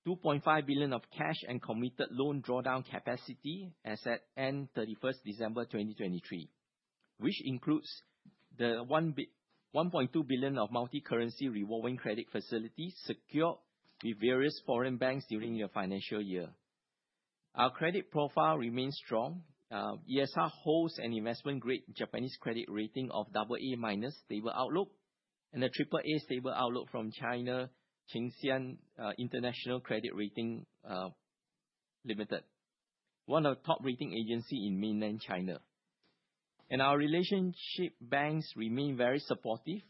$2.5 billion of cash and committed loan drawdown capacity as at 31st December 2023, which includes the $1.2 billion of multicurrency revolving credit facilities secured with various foreign banks during the financial year. Our credit profile remains strong. ESR holds an investment-grade Japanese credit rating of AA-stable outlook and a AAA-stable outlook from China Chengxin International Credit Rating Co., Ltd., one of the top rating agencies in mainland China. Our relationship banks remain very supportive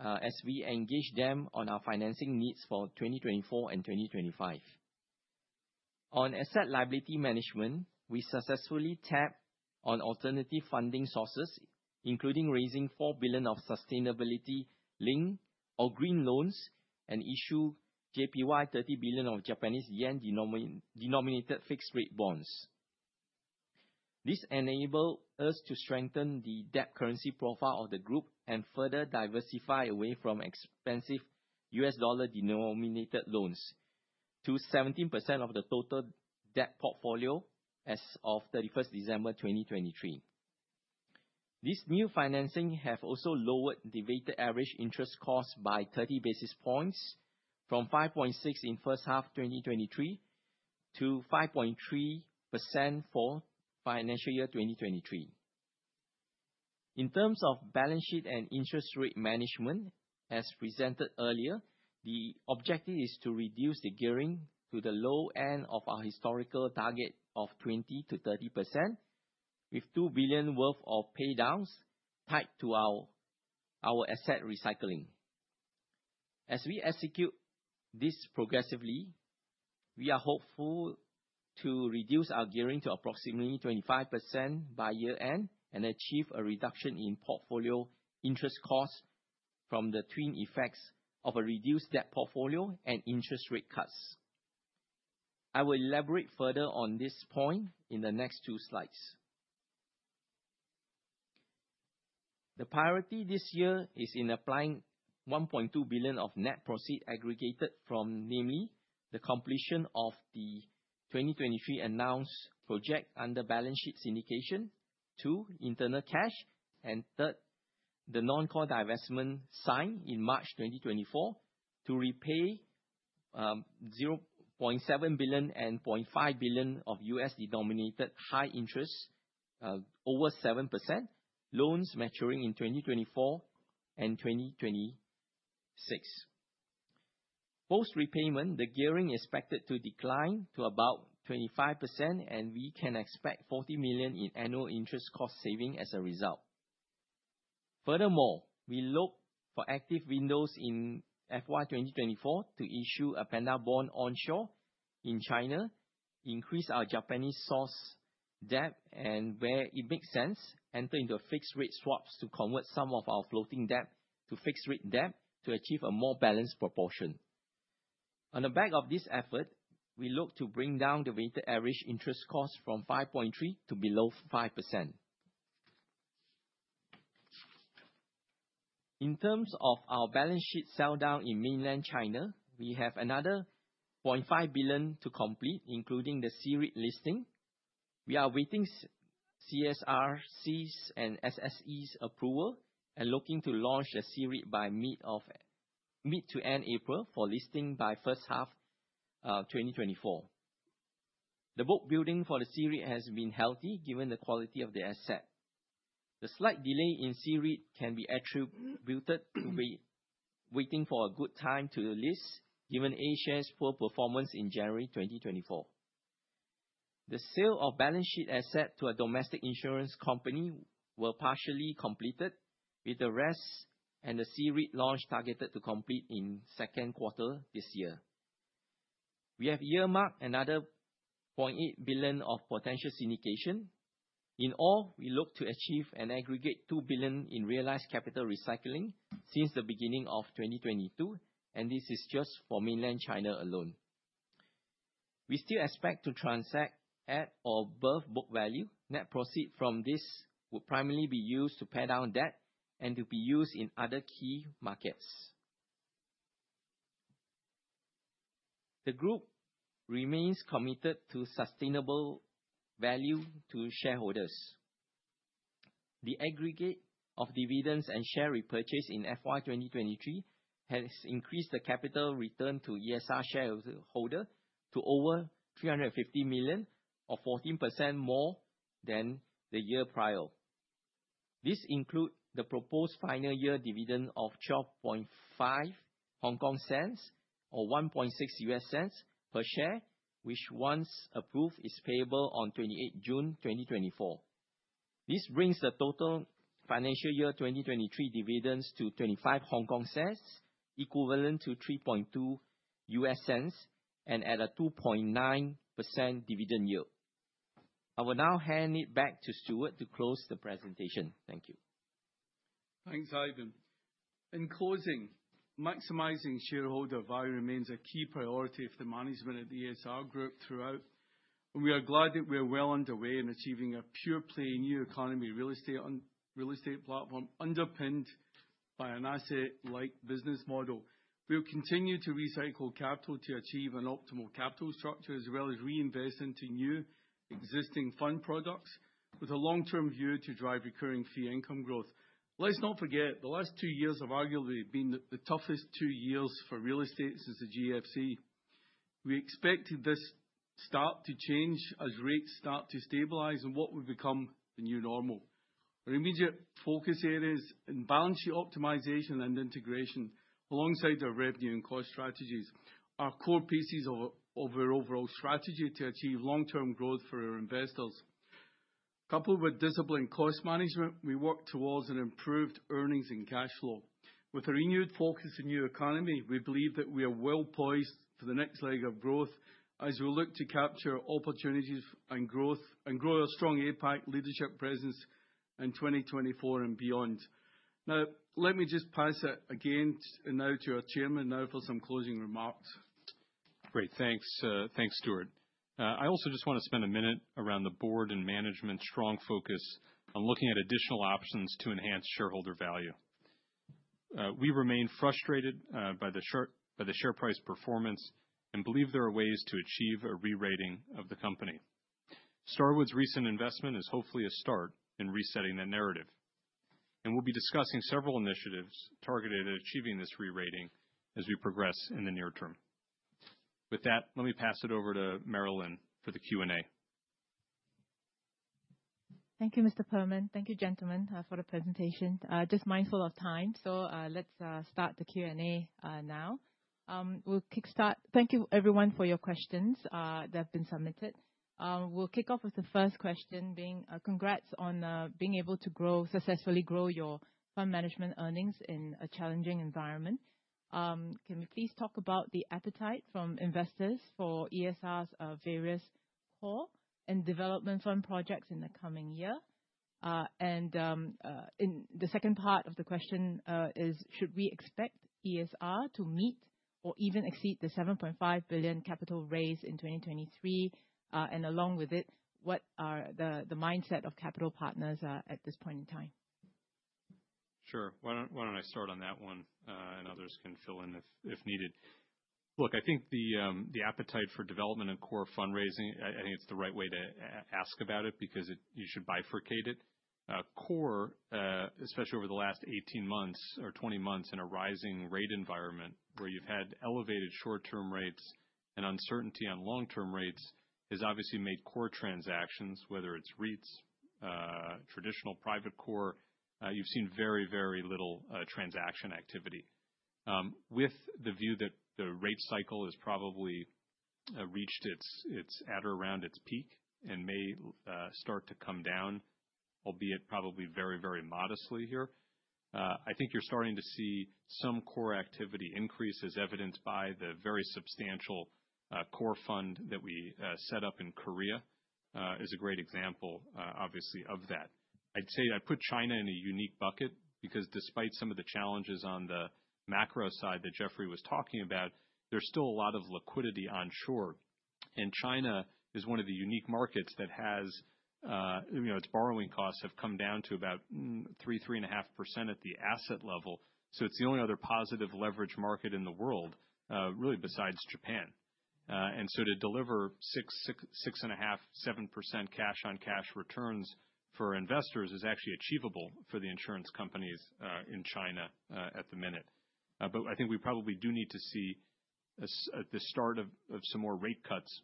as we engage them on our financing needs for 2024 and 2025. On asset liability management, we successfully tapped on alternative funding sources, including raising $4 billion of sustainability-linked or green loans and issuing JPY 30 billion of Japanese yen denominated fixed-rate bonds. This enabled us to strengthen the debt currency profile of the group and further diversify away from expensive US dollar denominated loans to 17% of the total debt portfolio as of 31 December 2023. This new financing has also lowered the weighted average interest cost by 30 basis points from 5.6% in first half 2023 to 5.3% for financial year 2023. In terms of balance sheet and interest rate management, as presented earlier, the objective is to reduce the gearing to the low end of our historical target of 20%-30%, with $2 billion worth of paydowns tied to our asset recycling. As we execute this progressively, we are hopeful to reduce our gearing to approximately 25% by year-end and achieve a reduction in portfolio interest costs from the twin effects of a reduced debt portfolio and interest rate cuts. I will elaborate further on this point in the next two slides. The priority this year is in applying $1.2 billion of net proceeds aggregated from, namely, the completion of the 2023 announced project under balance sheet syndication, two, internal cash, and third, the non-core divestment signed in March 2024 to repay $0.7 billion and $0.5 billion of U.S.-denominated high interest over 7% loans maturing in 2024 and 2026. Post repayment, the gearing is expected to decline to about 25%, and we can expect $40 million in annual interest cost savings as a result. Furthermore, we look for active windows in FY 2024 to issue a Panda Bond onshore in China, increase our Japanese source debt, and where it makes sense, enter into fixed-rate swaps to convert some of our floating debt to fixed-rate debt to achieve a more balanced proportion. On the back of this effort, we look to bring down the weighted average interest cost from 5.3% to below 5%. In terms of our balance sheet sell-down in mainland China, we have another $0.5 billion to complete, including the C-REIT listing. We are awaiting CSRC's and SSE's approval and looking to launch the C-REIT by mid to end April for listing by first half 2024. The book building for the C-REIT has been healthy given the quality of the asset. The slight delay in C-REIT can be attributed to waiting for a good time to list given A-share's poor performance in January 2024. The sale of balance sheet assets to a domestic insurance company was partially completed, with the rest and the C-REIT launch targeted to complete in second quarter this year. We have earmarked another $0.8 billion of potential syndication. In all, we look to achieve an aggregate $2 billion in realized capital recycling since the beginning of 2022, and this is just for mainland China alone. We still expect to transact at or above book value. Net proceeds from this would primarily be used to pay down debt and to be used in other key markets. The group remains committed to sustainable value to shareholders. The aggregate of dividends and share repurchase in FY 2023 has increased the capital return to ESR shareholders to over $350 million, or 14% more than the year prior. This includes the proposed final year dividend of 12.5 or $1.6 per share, which once approved is payable on 28 June 2024. This brings the total financial year 2023 dividends to 0.25 Hong Kong, equivalent to $3.2, and at a 2.9% dividend yield. I will now hand it back to Stuart to close the presentation. Thank you. Thanks, Ivan. In closing, maximizing shareholder value remains a key priority of the management at the ESR Group throughout, and we are glad that we are well underway in achieving a pure-play new economy real estate platform underpinned by an asset-light business model. We will continue to recycle capital to achieve an optimal capital structure as well as reinvest into new existing fund products, with a long-term view to drive recurring fee income growth. Let's not forget, the last two years have arguably been the toughest two years for real estate since the GFC. We expect this start to change as rates start to stabilize and what would become the new normal. Our immediate focus areas in balance sheet optimization and integration, alongside our revenue and cost strategies, are core pieces of our overall strategy to achieve long-term growth for our investors. Coupled with disciplined cost management, we work towards an improved earnings and cash flow. With our renewed focus on the new economy, we believe that we are well poised for the next leg of growth as we look to capture opportunities and grow a strong APAC leadership presence in 2024 and beyond. Now, let me just pass it again now to our Chairman now for some closing remarks. Great, thanks. Thanks, Stuart. I also just want to spend a minute around the board and management's strong focus on looking at additional options to enhance shareholder value. We remain frustrated by the share price performance and believe there are ways to achieve a re-rating of the company. Starwood's recent investment is hopefully a start in resetting that narrative, and we'll be discussing several initiatives targeted at achieving this re-rating as we progress in the near term. With that, let me pass it over to Marilyn for the Q&A. Thank you, Mr. Perlman. Thank you, gentlemen, for the presentation. Just mindful of time, so let's start the Q&A now. We'll kickstart. Thank you, everyone, for your questions that have been submitted. We'll kick off with the first question being: Congrats on being able to successfully grow your fund management earnings in a challenging environment. Can we please talk about the appetite from investors for ESR's various core and development fund projects in the coming year? And in the second part of the question is: Should we expect ESR to meet or even exceed the $7.5 billion capital raise in 2023? And along with it, what are the mindset of capital partners at this point in time? Sure. Why don't I start on that one, and others can fill in if needed. Look, I think the appetite for development and core fundraising I think it's the right way to ask about it because you should bifurcate it. Core, especially over the last 18 months or 20 months in a rising rate environment where you've had elevated short-term rates and uncertainty on long-term rates, has obviously made core transactions, whether it's REITs, traditional private core, you've seen very, very little transaction activity. With the view that the rate cycle has probably reached its at or around its peak and may start to come down, albeit probably very, very modestly here, I think you're starting to see some core activity increase, as evidenced by the very substantial core fund that we set up in Korea, is a great example, obviously, of that. I'd say I'd put China in a unique bucket because despite some of the challenges on the macro side that Jeffrey was talking about, there's still a lot of liquidity onshore. China is one of the unique markets that has its borrowing costs have come down to about 3%-3.5% at the asset level, so it's the only other positive leverage market in the world, really, besides Japan. So to deliver 6%, 6.5%, 7% cash-on-cash returns for investors is actually achievable for the insurance companies in China at the minute. But I think we probably do need to see the start of some more rate cuts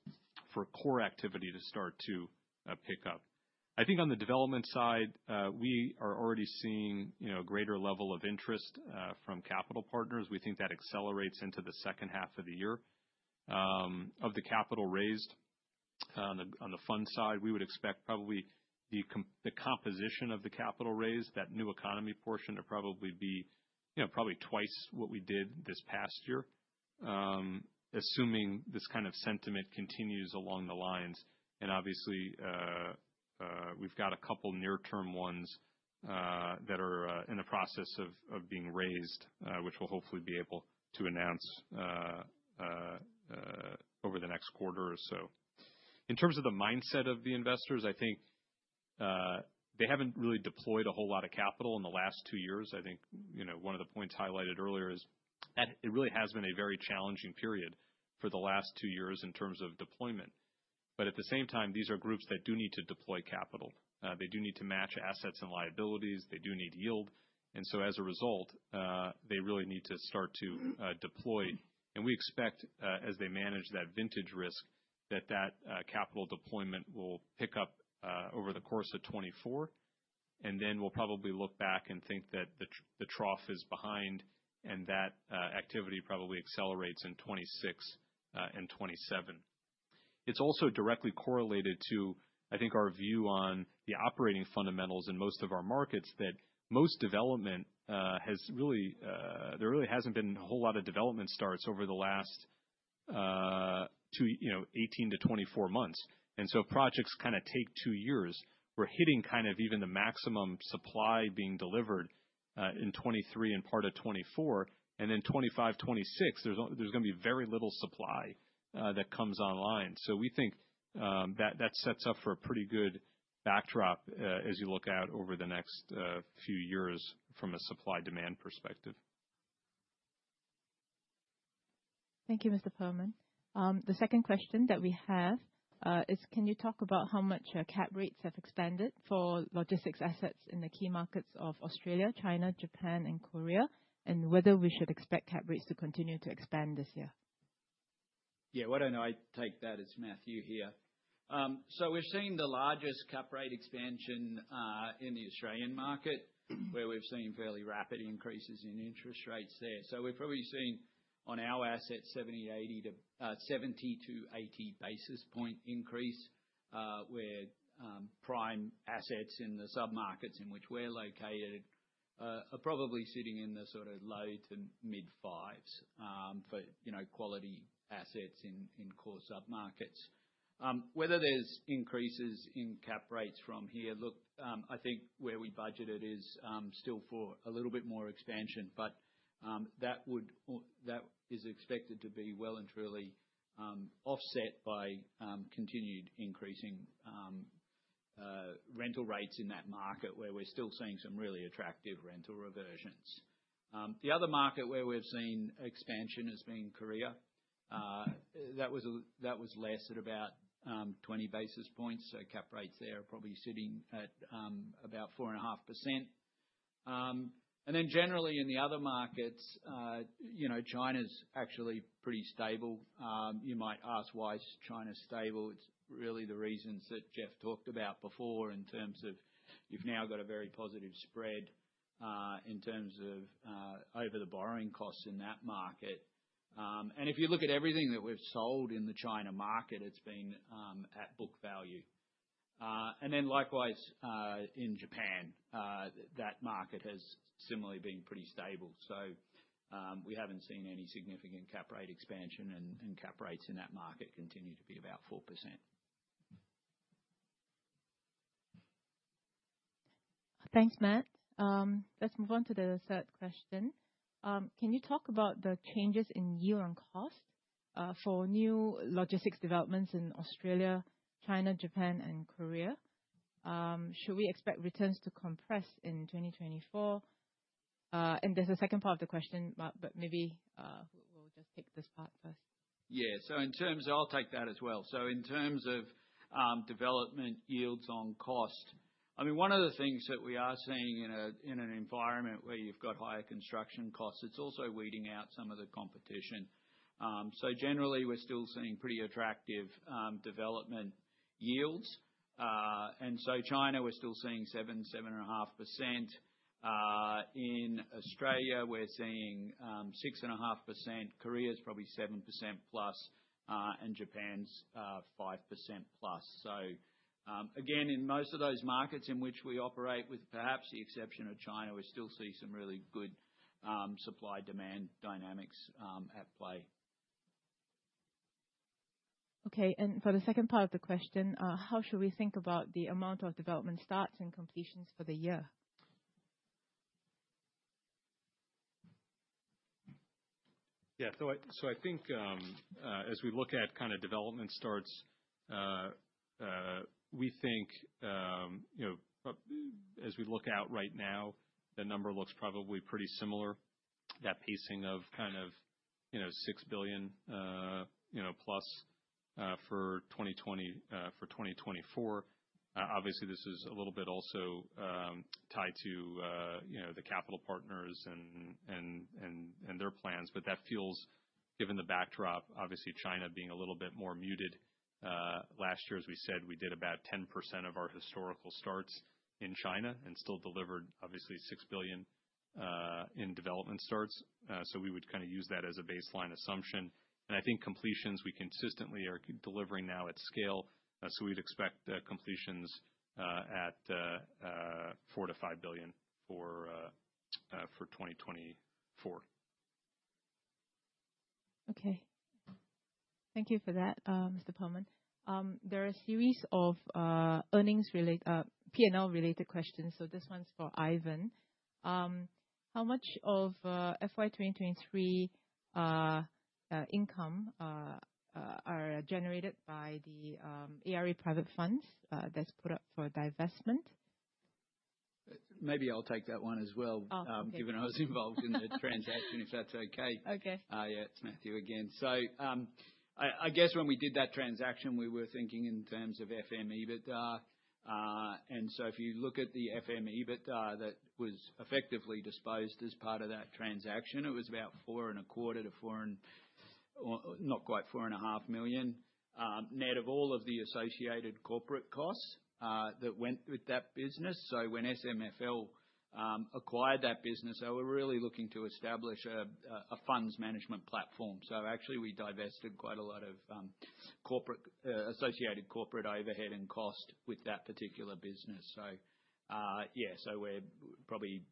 for core activity to start to pick up. I think on the development side, we are already seeing a greater level of interest from capital partners. We think that accelerates into the second half of the year of the capital raised. On the fund side, we would expect probably the composition of the capital raise, that new economy portion, to probably be probably twice what we did this past year, assuming this kind of sentiment continues along the lines. Obviously, we've got a couple near-term ones that are in the process of being raised, which we'll hopefully be able to announce over the next quarter or so. In terms of the mindset of the investors, I think they haven't really deployed a whole lot of capital in the last two years. I think one of the points highlighted earlier is that it really has been a very challenging period for the last two years in terms of deployment. But at the same time, these are groups that do need to deploy capital. They do need to match assets and liabilities. They do need yield. And so as a result, they really need to start to deploy. And we expect, as they manage that vintage risk, that that capital deployment will pick up over the course of 2024, and then we'll probably look back and think that the trough is behind and that activity probably accelerates in 2026 and 2027. It's also directly correlated to, I think, our view on the operating fundamentals in most of our markets that most development has really, there really hasn't been a whole lot of development starts over the last 18-24 months. And so if projects kind of take two years, we're hitting kind of even the maximum supply being delivered in 2023 and part of 2024. And then 2025, 2026, there's going to be very little supply that comes online. So we think that sets up for a pretty good backdrop as you look out over the next few years from a supply-demand perspective. Thank you, Mr. Perlman. The second question that we have is: Can you talk about how much cap rates have expanded for logistics assets in the key markets of Australia, China, Japan, and Korea, and whether we should expect cap rates to continue to expand this year? Yeah, why don't I take that? It's Matthew here. So we've seen the largest cap rate expansion in the Australian market, where we've seen fairly rapid increases in interest rates there. So we've probably seen, on our assets, 70-80 basis point increase, where prime assets in the submarkets in which we're located are probably sitting in the sort of low to mid-fives for quality assets in core submarkets. Whether there's increases in cap rates from here, look, I think where we budgeted is still for a little bit more expansion, but that is expected to be well and truly offset by continued increasing rental rates in that market, where we're still seeing some really attractive rental reversions. The other market where we've seen expansion has been Korea. That was less at about 20 basis points, so cap rates there are probably sitting at about 4.5%. And then generally, in the other markets, China's actually pretty stable. You might ask why is China stable? It's really the reasons that Jeff talked about before in terms of you've now got a very positive spread in terms of over-the-borrowing costs in that market. And if you look at everything that we've sold in the China market, it's been at book value. And then likewise, in Japan, that market has similarly been pretty stable. So we haven't seen any significant cap rate expansion, and cap rates in that market continue to be about 4%. Thanks, Matt. Let's move on to the third question. Can you talk about the changes in yield and cost for new logistics developments in Australia, China, Japan, and Korea? Should we expect returns to compress in 2024? And there's a second part of the question, but maybe we'll just take this part first. Yeah, so in terms of I'll take that as well. So in terms of development yields on cost, I mean, one of the things that we are seeing in an environment where you've got higher construction costs, it's also weeding out some of the competition. So generally, we're still seeing pretty attractive development yields. And so China, we're still seeing 7%-7.5%. In Australia, we're seeing 6.5%. Korea's probably 7%+, and Japan's 5%+. So again, in most of those markets in which we operate, with perhaps the exception of China, we still see some really good supply-demand dynamics at play. Okay, and for the second part of the question, how should we think about the amount of development starts and completions for the year? Yeah, so I think as we look at kind of development starts, we think as we look out right now, the number looks probably pretty similar, that pacing of kind of $6+ billion for 2020 for 2024. Obviously, this is a little bit also tied to the capital partners and their plans, but that feels, given the backdrop, obviously, China being a little bit more muted. Last year, as we said, we did about 10% of our historical starts in China and still delivered, obviously, $6 billion in development starts. So we would kind of use that as a baseline assumption. I think completions, we consistently are delivering now at scale, so we'd expect completions at $4 billion-$5 billion for 2024. Okay. Thank you for that, Mr. Perlman. There are a series of earnings-related P&L-related questions, so this one's for Ivan. How much of FY 2023 income are generated by the ARA Private Funds that's put up for divestment? Maybe I'll take that one as well, given I was involved in the transaction, if that's okay. Yeah, it's Matthew again. So I guess when we did that transaction, we were thinking in terms of FY EBIT. So if you look at the fund management EBITDA that was effectively disposed as part of that transaction, it was about $4.25 million-$4 million and not quite $4.5 million net of all of the associated corporate costs that went with that business. So when SMFL acquired that business, they were really looking to establish a funds management platform. So actually, we divested quite a lot of associated corporate overhead and cost with that particular business. So yeah, so we're probably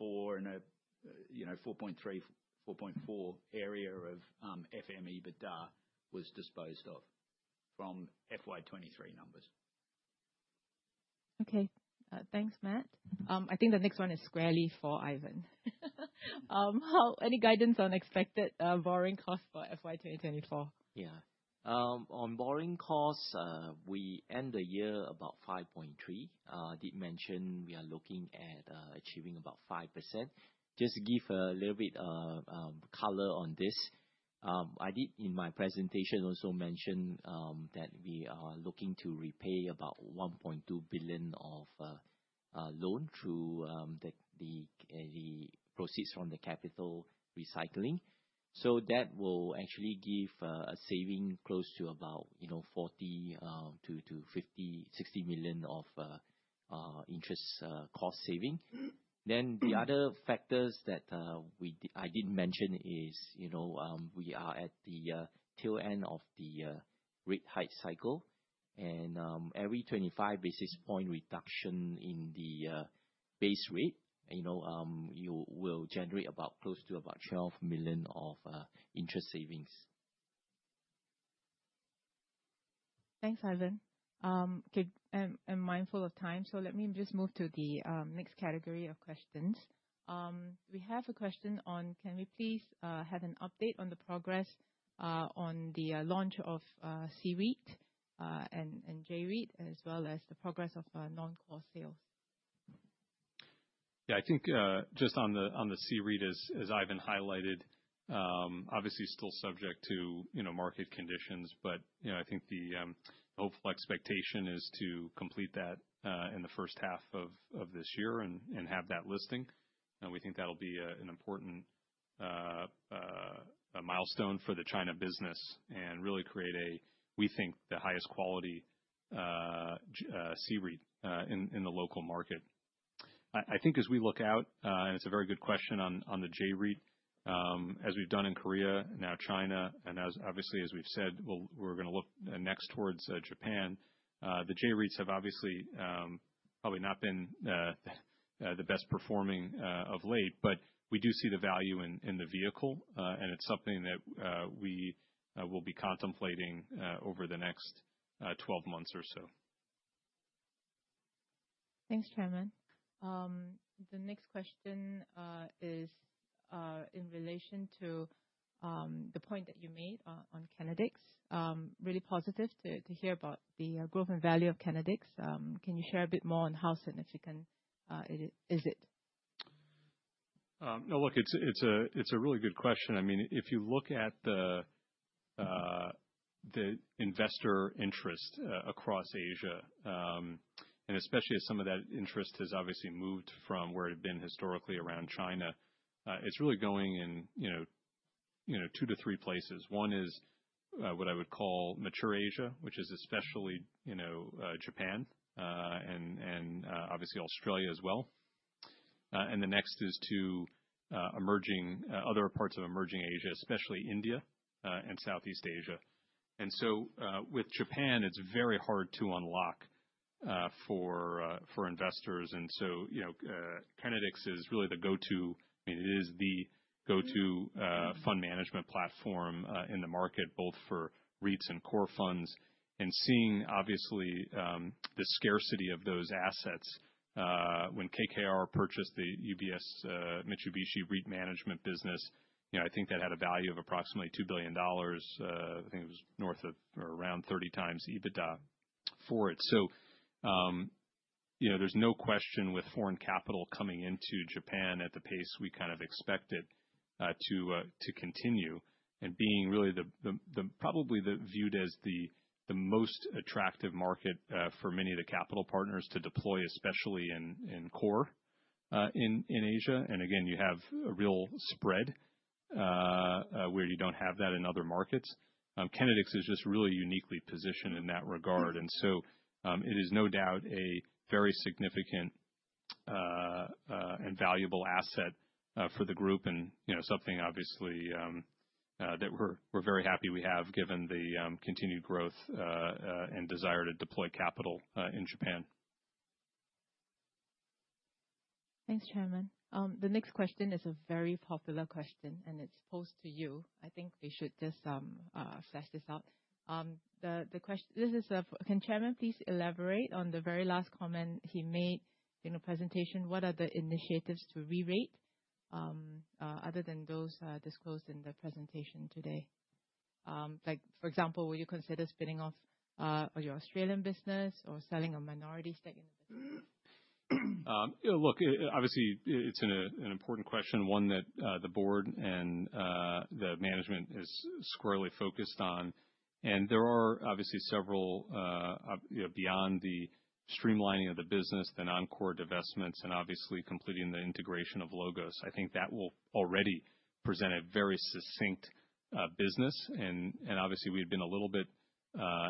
$4 million-$4.3 million, $4.4 million area of fund management EBITDA was disposed of from FY 2023 numbers. Okay. Thanks, Matt. I think the next one is squarely for Ivan. Any guidance on expected borrowing costs for FY 2024? Yeah. On borrowing costs, we end the year about 5.3%. I did mention we are looking at achieving about 5%. Just to give a little bit of color on this, I did, in my presentation, also mention that we are looking to repay about $1.2 billion of loan through the proceeds from the capital recycling. So that will actually give a saving close to about $40 million-$60 million of interest cost saving. Then the other factors that I did mention is we are at the tail end of the rate hike cycle, and every 25 basis point reduction in the base rate will generate close to about $12 million of interest savings. Thanks, Ivan. I'm mindful of time, so let me just move to the next category of questions. We have a question on, can we please have an update on the progress on the launch of C-REIT and J-REIT, as well as the progress of non-core sales? Yeah, I think just on the C-REIT, as Ivan highlighted, obviously still subject to market conditions, but I think the hopeful expectation is to complete that in the first half of this year and have that listing. We think that'll be an important milestone for the China business and really create a, we think, the highest quality C-REIT in the local market. I think as we look out and it's a very good question on the J-REIT, as we've done in Korea, now China, and obviously, as we've said, we're going to look next towards Japan, the J-REITs have obviously probably not been the best performing of late, but we do see the value in the vehicle, and it's something that we will be contemplating over the next 12 months or so. Thanks, Chairman. The next question is in relation to the point that you made on Kenedix. Really positive to hear about the growth and value of Kenedix. Can you share a bit more on how significant is it? No, look, it's a really good question. I mean, if you look at the investor interest across Asia, and especially as some of that interest has obviously moved from where it had been historically around China, it's really going in two-three places. One is what I would call mature Asia, which is especially Japan and obviously Australia as well. And the next is to other parts of emerging Asia, especially India and Southeast Asia. And so with Japan, it's very hard to unlock for investors. And so Kenedix is really the go-to, I mean, it is the go-to fund management platform in the market, both for REITs and core funds. Seeing, obviously, the scarcity of those assets, when KKR purchased the UBS Mitsubishi REIT management business, I think that had a value of approximately $2 billion. I think it was north of or around 30x EBITDA for it. So there's no question with foreign capital coming into Japan at the pace we kind of expect it to continue, and being really probably viewed as the most attractive market for many of the capital partners to deploy, especially in core in Asia. And again, you have a real spread where you don't have that in other markets. Kenedix is just really uniquely positioned in that regard. And so it is no doubt a very significant and valuable asset for the group and something, obviously, that we're very happy we have, given the continued growth and desire to deploy capital in Japan. Thanks, Chairman. The next question is a very popular question, and it's posed to you. I think we should just flesh this out. This is: Can the Chairman please elaborate on the very last comment he made in the presentation? What are the initiatives to re-rate other than those disclosed in the presentation today? For example, will you consider spinning off your Australian business or selling a minority stake in the business? Look, obviously, it's an important question, one that the board and the management is squarely focused on. And there are obviously several beyond the streamlining of the business, the non-core divestments, and obviously completing the integration of LOGOS. I think that will already present a very succinct business. And obviously, we had been a little bit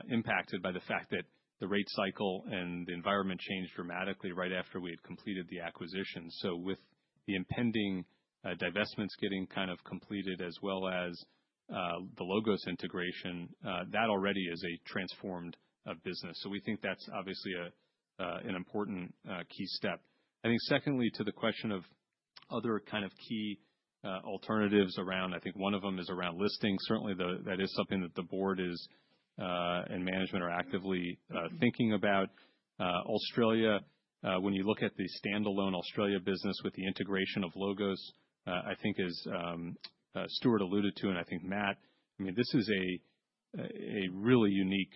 impacted by the fact that the rate cycle and the environment changed dramatically right after we had completed the acquisition. So with the impending divestments getting kind of completed, as well as the LOGOS integration, that already is a transformed business. So we think that's obviously an important key step. I think secondly to the question of other kind of key alternatives around I think one of them is around listing. Certainly, that is something that the board and management are actively thinking about. Australia, when you look at the standalone Australia business with the integration of LOGOS, I think, as Stuart alluded to, and I think Matt, I mean, this is a really unique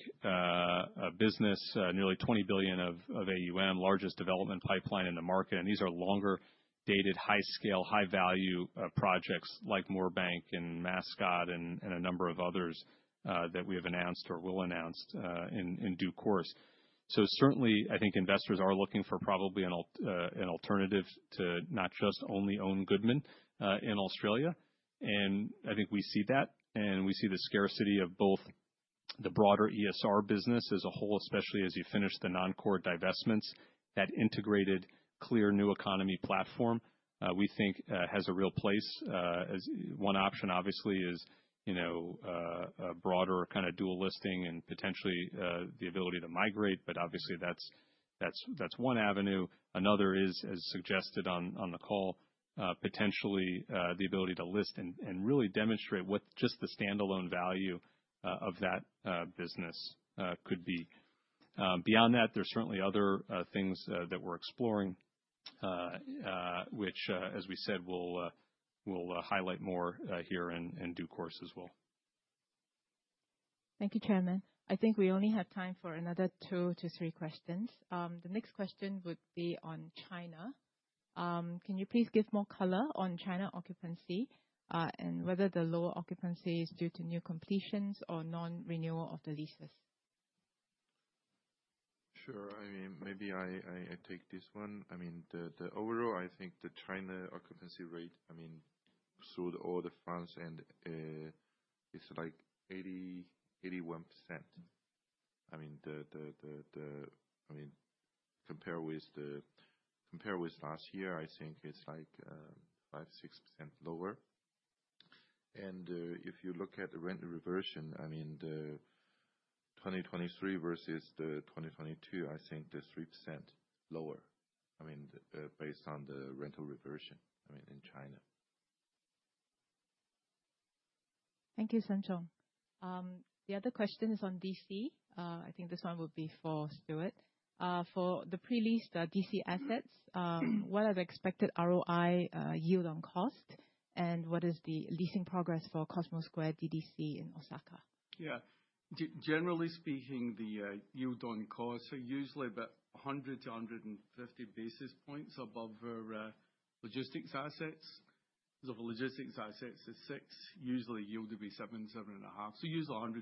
business, nearly $20 billion of AUM, largest development pipeline in the market. And these are longer-dated, high-scale, high-value projects like Moorebank and Mascot and a number of others that we have announced or will announce in due course. So certainly, I think investors are looking for probably an alternative to not just only own Goodman in Australia. And I think we see that, and we see the scarcity of both the broader ESR business as a whole, especially as you finish the non-core divestments. That integrated, clear new economy platform, we think, has a real place. One option, obviously, is a broader kind of dual listing and potentially the ability to migrate. But obviously, that's one avenue. Another is, as suggested on the call, potentially the ability to list and really demonstrate what just the standalone value of that business could be. Beyond that, there's certainly other things that we're exploring, which, as we said, we'll highlight more here in due course as well. Thank you, Chairman. I think we only have time for another two to three questions. The next question would be on China. Can you please give more color on China occupancy and whether the lower occupancy is due to new completions or non-renewal of the leases? Sure. I mean, maybe I take this one. I mean, the overall, I think the China occupancy rate, I mean, through all the funds, and it's like 81%. I mean, compare with last year, I think it's like 5%-6% lower. And if you look at the rental reversion, I mean, 2023 versus 2022, I think the 3% lower, I mean, based on the rental reversion, I mean, in China. Thank you, Shen. The other question is on DC. I think this one would be for Stuart. For the pre-leased, DC assets, what is expected ROI yield on cost, and what is the leasing progress for Cosmosquare DDC in Osaka? Yeah. Generally speaking, the yield on cost is usually about 100-150 basis points above our logistics assets. So if logistics assets are 6, usually yield would be 7, 7.5. So usually 100-150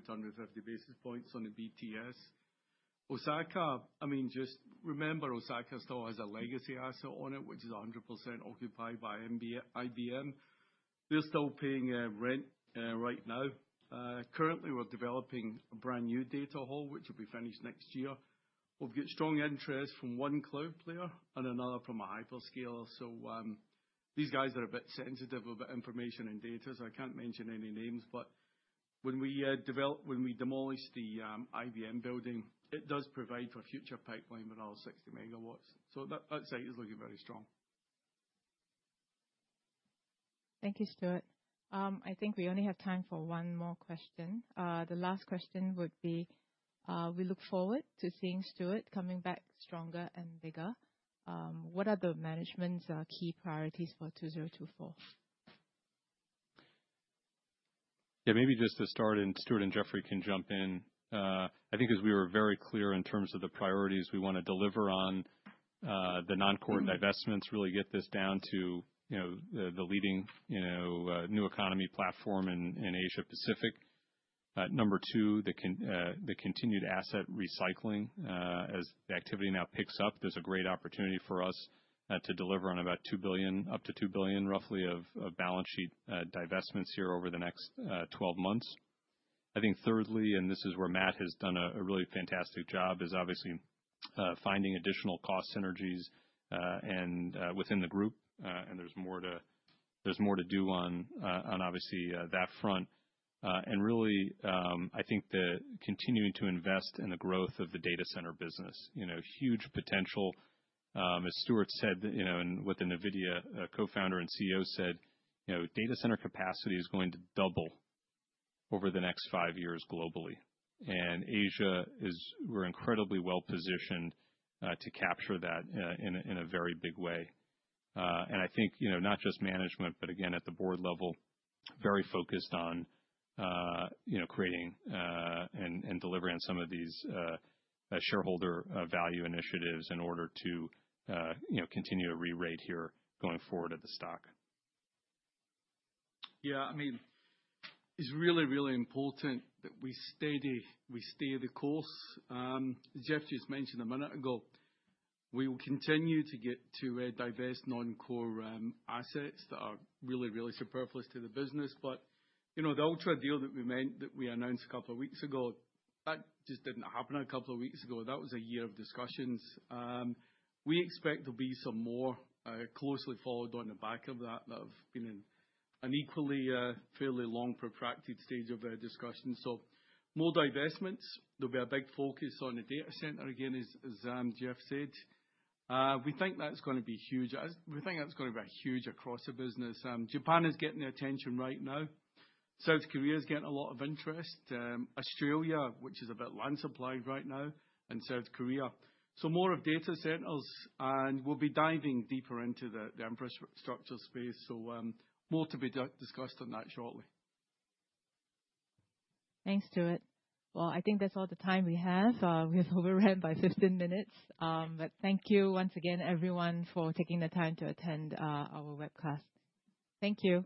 basis points on the BTS. Osaka, I mean, just remember Osaka still has a legacy asset on it, which is 100% occupied by IBM. They're still paying rent right now. Currently, we're developing a brand new data hall, which will be finished next year. We've got strong interest from one cloud player and another from a hyperscaler. So these guys are a bit sensitive about information and data, so I can't mention any names. But when we demolished the IBM building, it does provide for a future pipeline with all 60 MW. So that site is looking very strong. Thank you, Stuart. I think we only have time for one more question. The last question would be, we look forward to seeing Stuart coming back stronger and bigger. What are the management's key priorities for 2024? Yeah, maybe just to start, and Stuart and Jeffrey can jump in. I think as we were very clear in terms of the priorities we want to deliver on the non-core divestments, really get this down to the leading new economy platform in Asia-Pacific. Number two, the continued asset recycling. As the activity now picks up, there's a great opportunity for us to deliver on about up to $2 billion roughly of balance sheet divestments here over the next 12 months. I think thirdly, and this is where Matt has done a really fantastic job, is obviously finding additional cost synergies within the group. And there's more to do on, obviously, that front. And really, I think continuing to invest in the growth of the data center business. Huge potential. As Stuart said and what the NVIDIA co-founder and CEO said, data center capacity is going to double over the next five years globally. And Asia, we're incredibly well-positioned to capture that in a very big way. And I think not just management, but again, at the board level, very focused on creating and delivering on some of these shareholder value initiatives in order to continue to re-rate here going forward at the stock. Yeah, I mean, it's really, really important that we stay the course. As Jeff just mentioned a minute ago, we will continue to divest non-core assets that are really, really superfluous to the business. But the ARA deal that we announced a couple of weeks ago, that just didn't happen a couple of weeks ago. That was a year of discussions. We expect there'll be some more closely followed on the back of that that have been in an equally fairly long protracted stage of discussion. So more divestments. There'll be a big focus on the data center, again, as Jeff said. We think that's going to be huge. We think that's going to be huge across the business. Japan is getting the attention right now. South Korea is getting a lot of interest. Australia, which is a bit land-supplied right now, and South Korea. So more of data centers. And we'll be diving deeper into the infrastructure space. So more to be discussed on that shortly. Thanks, Stuart. Well, I think that's all the time we have. We're overrun by 15 minutes. But thank you once again, everyone, for taking the time to attend our webcast. Thank you.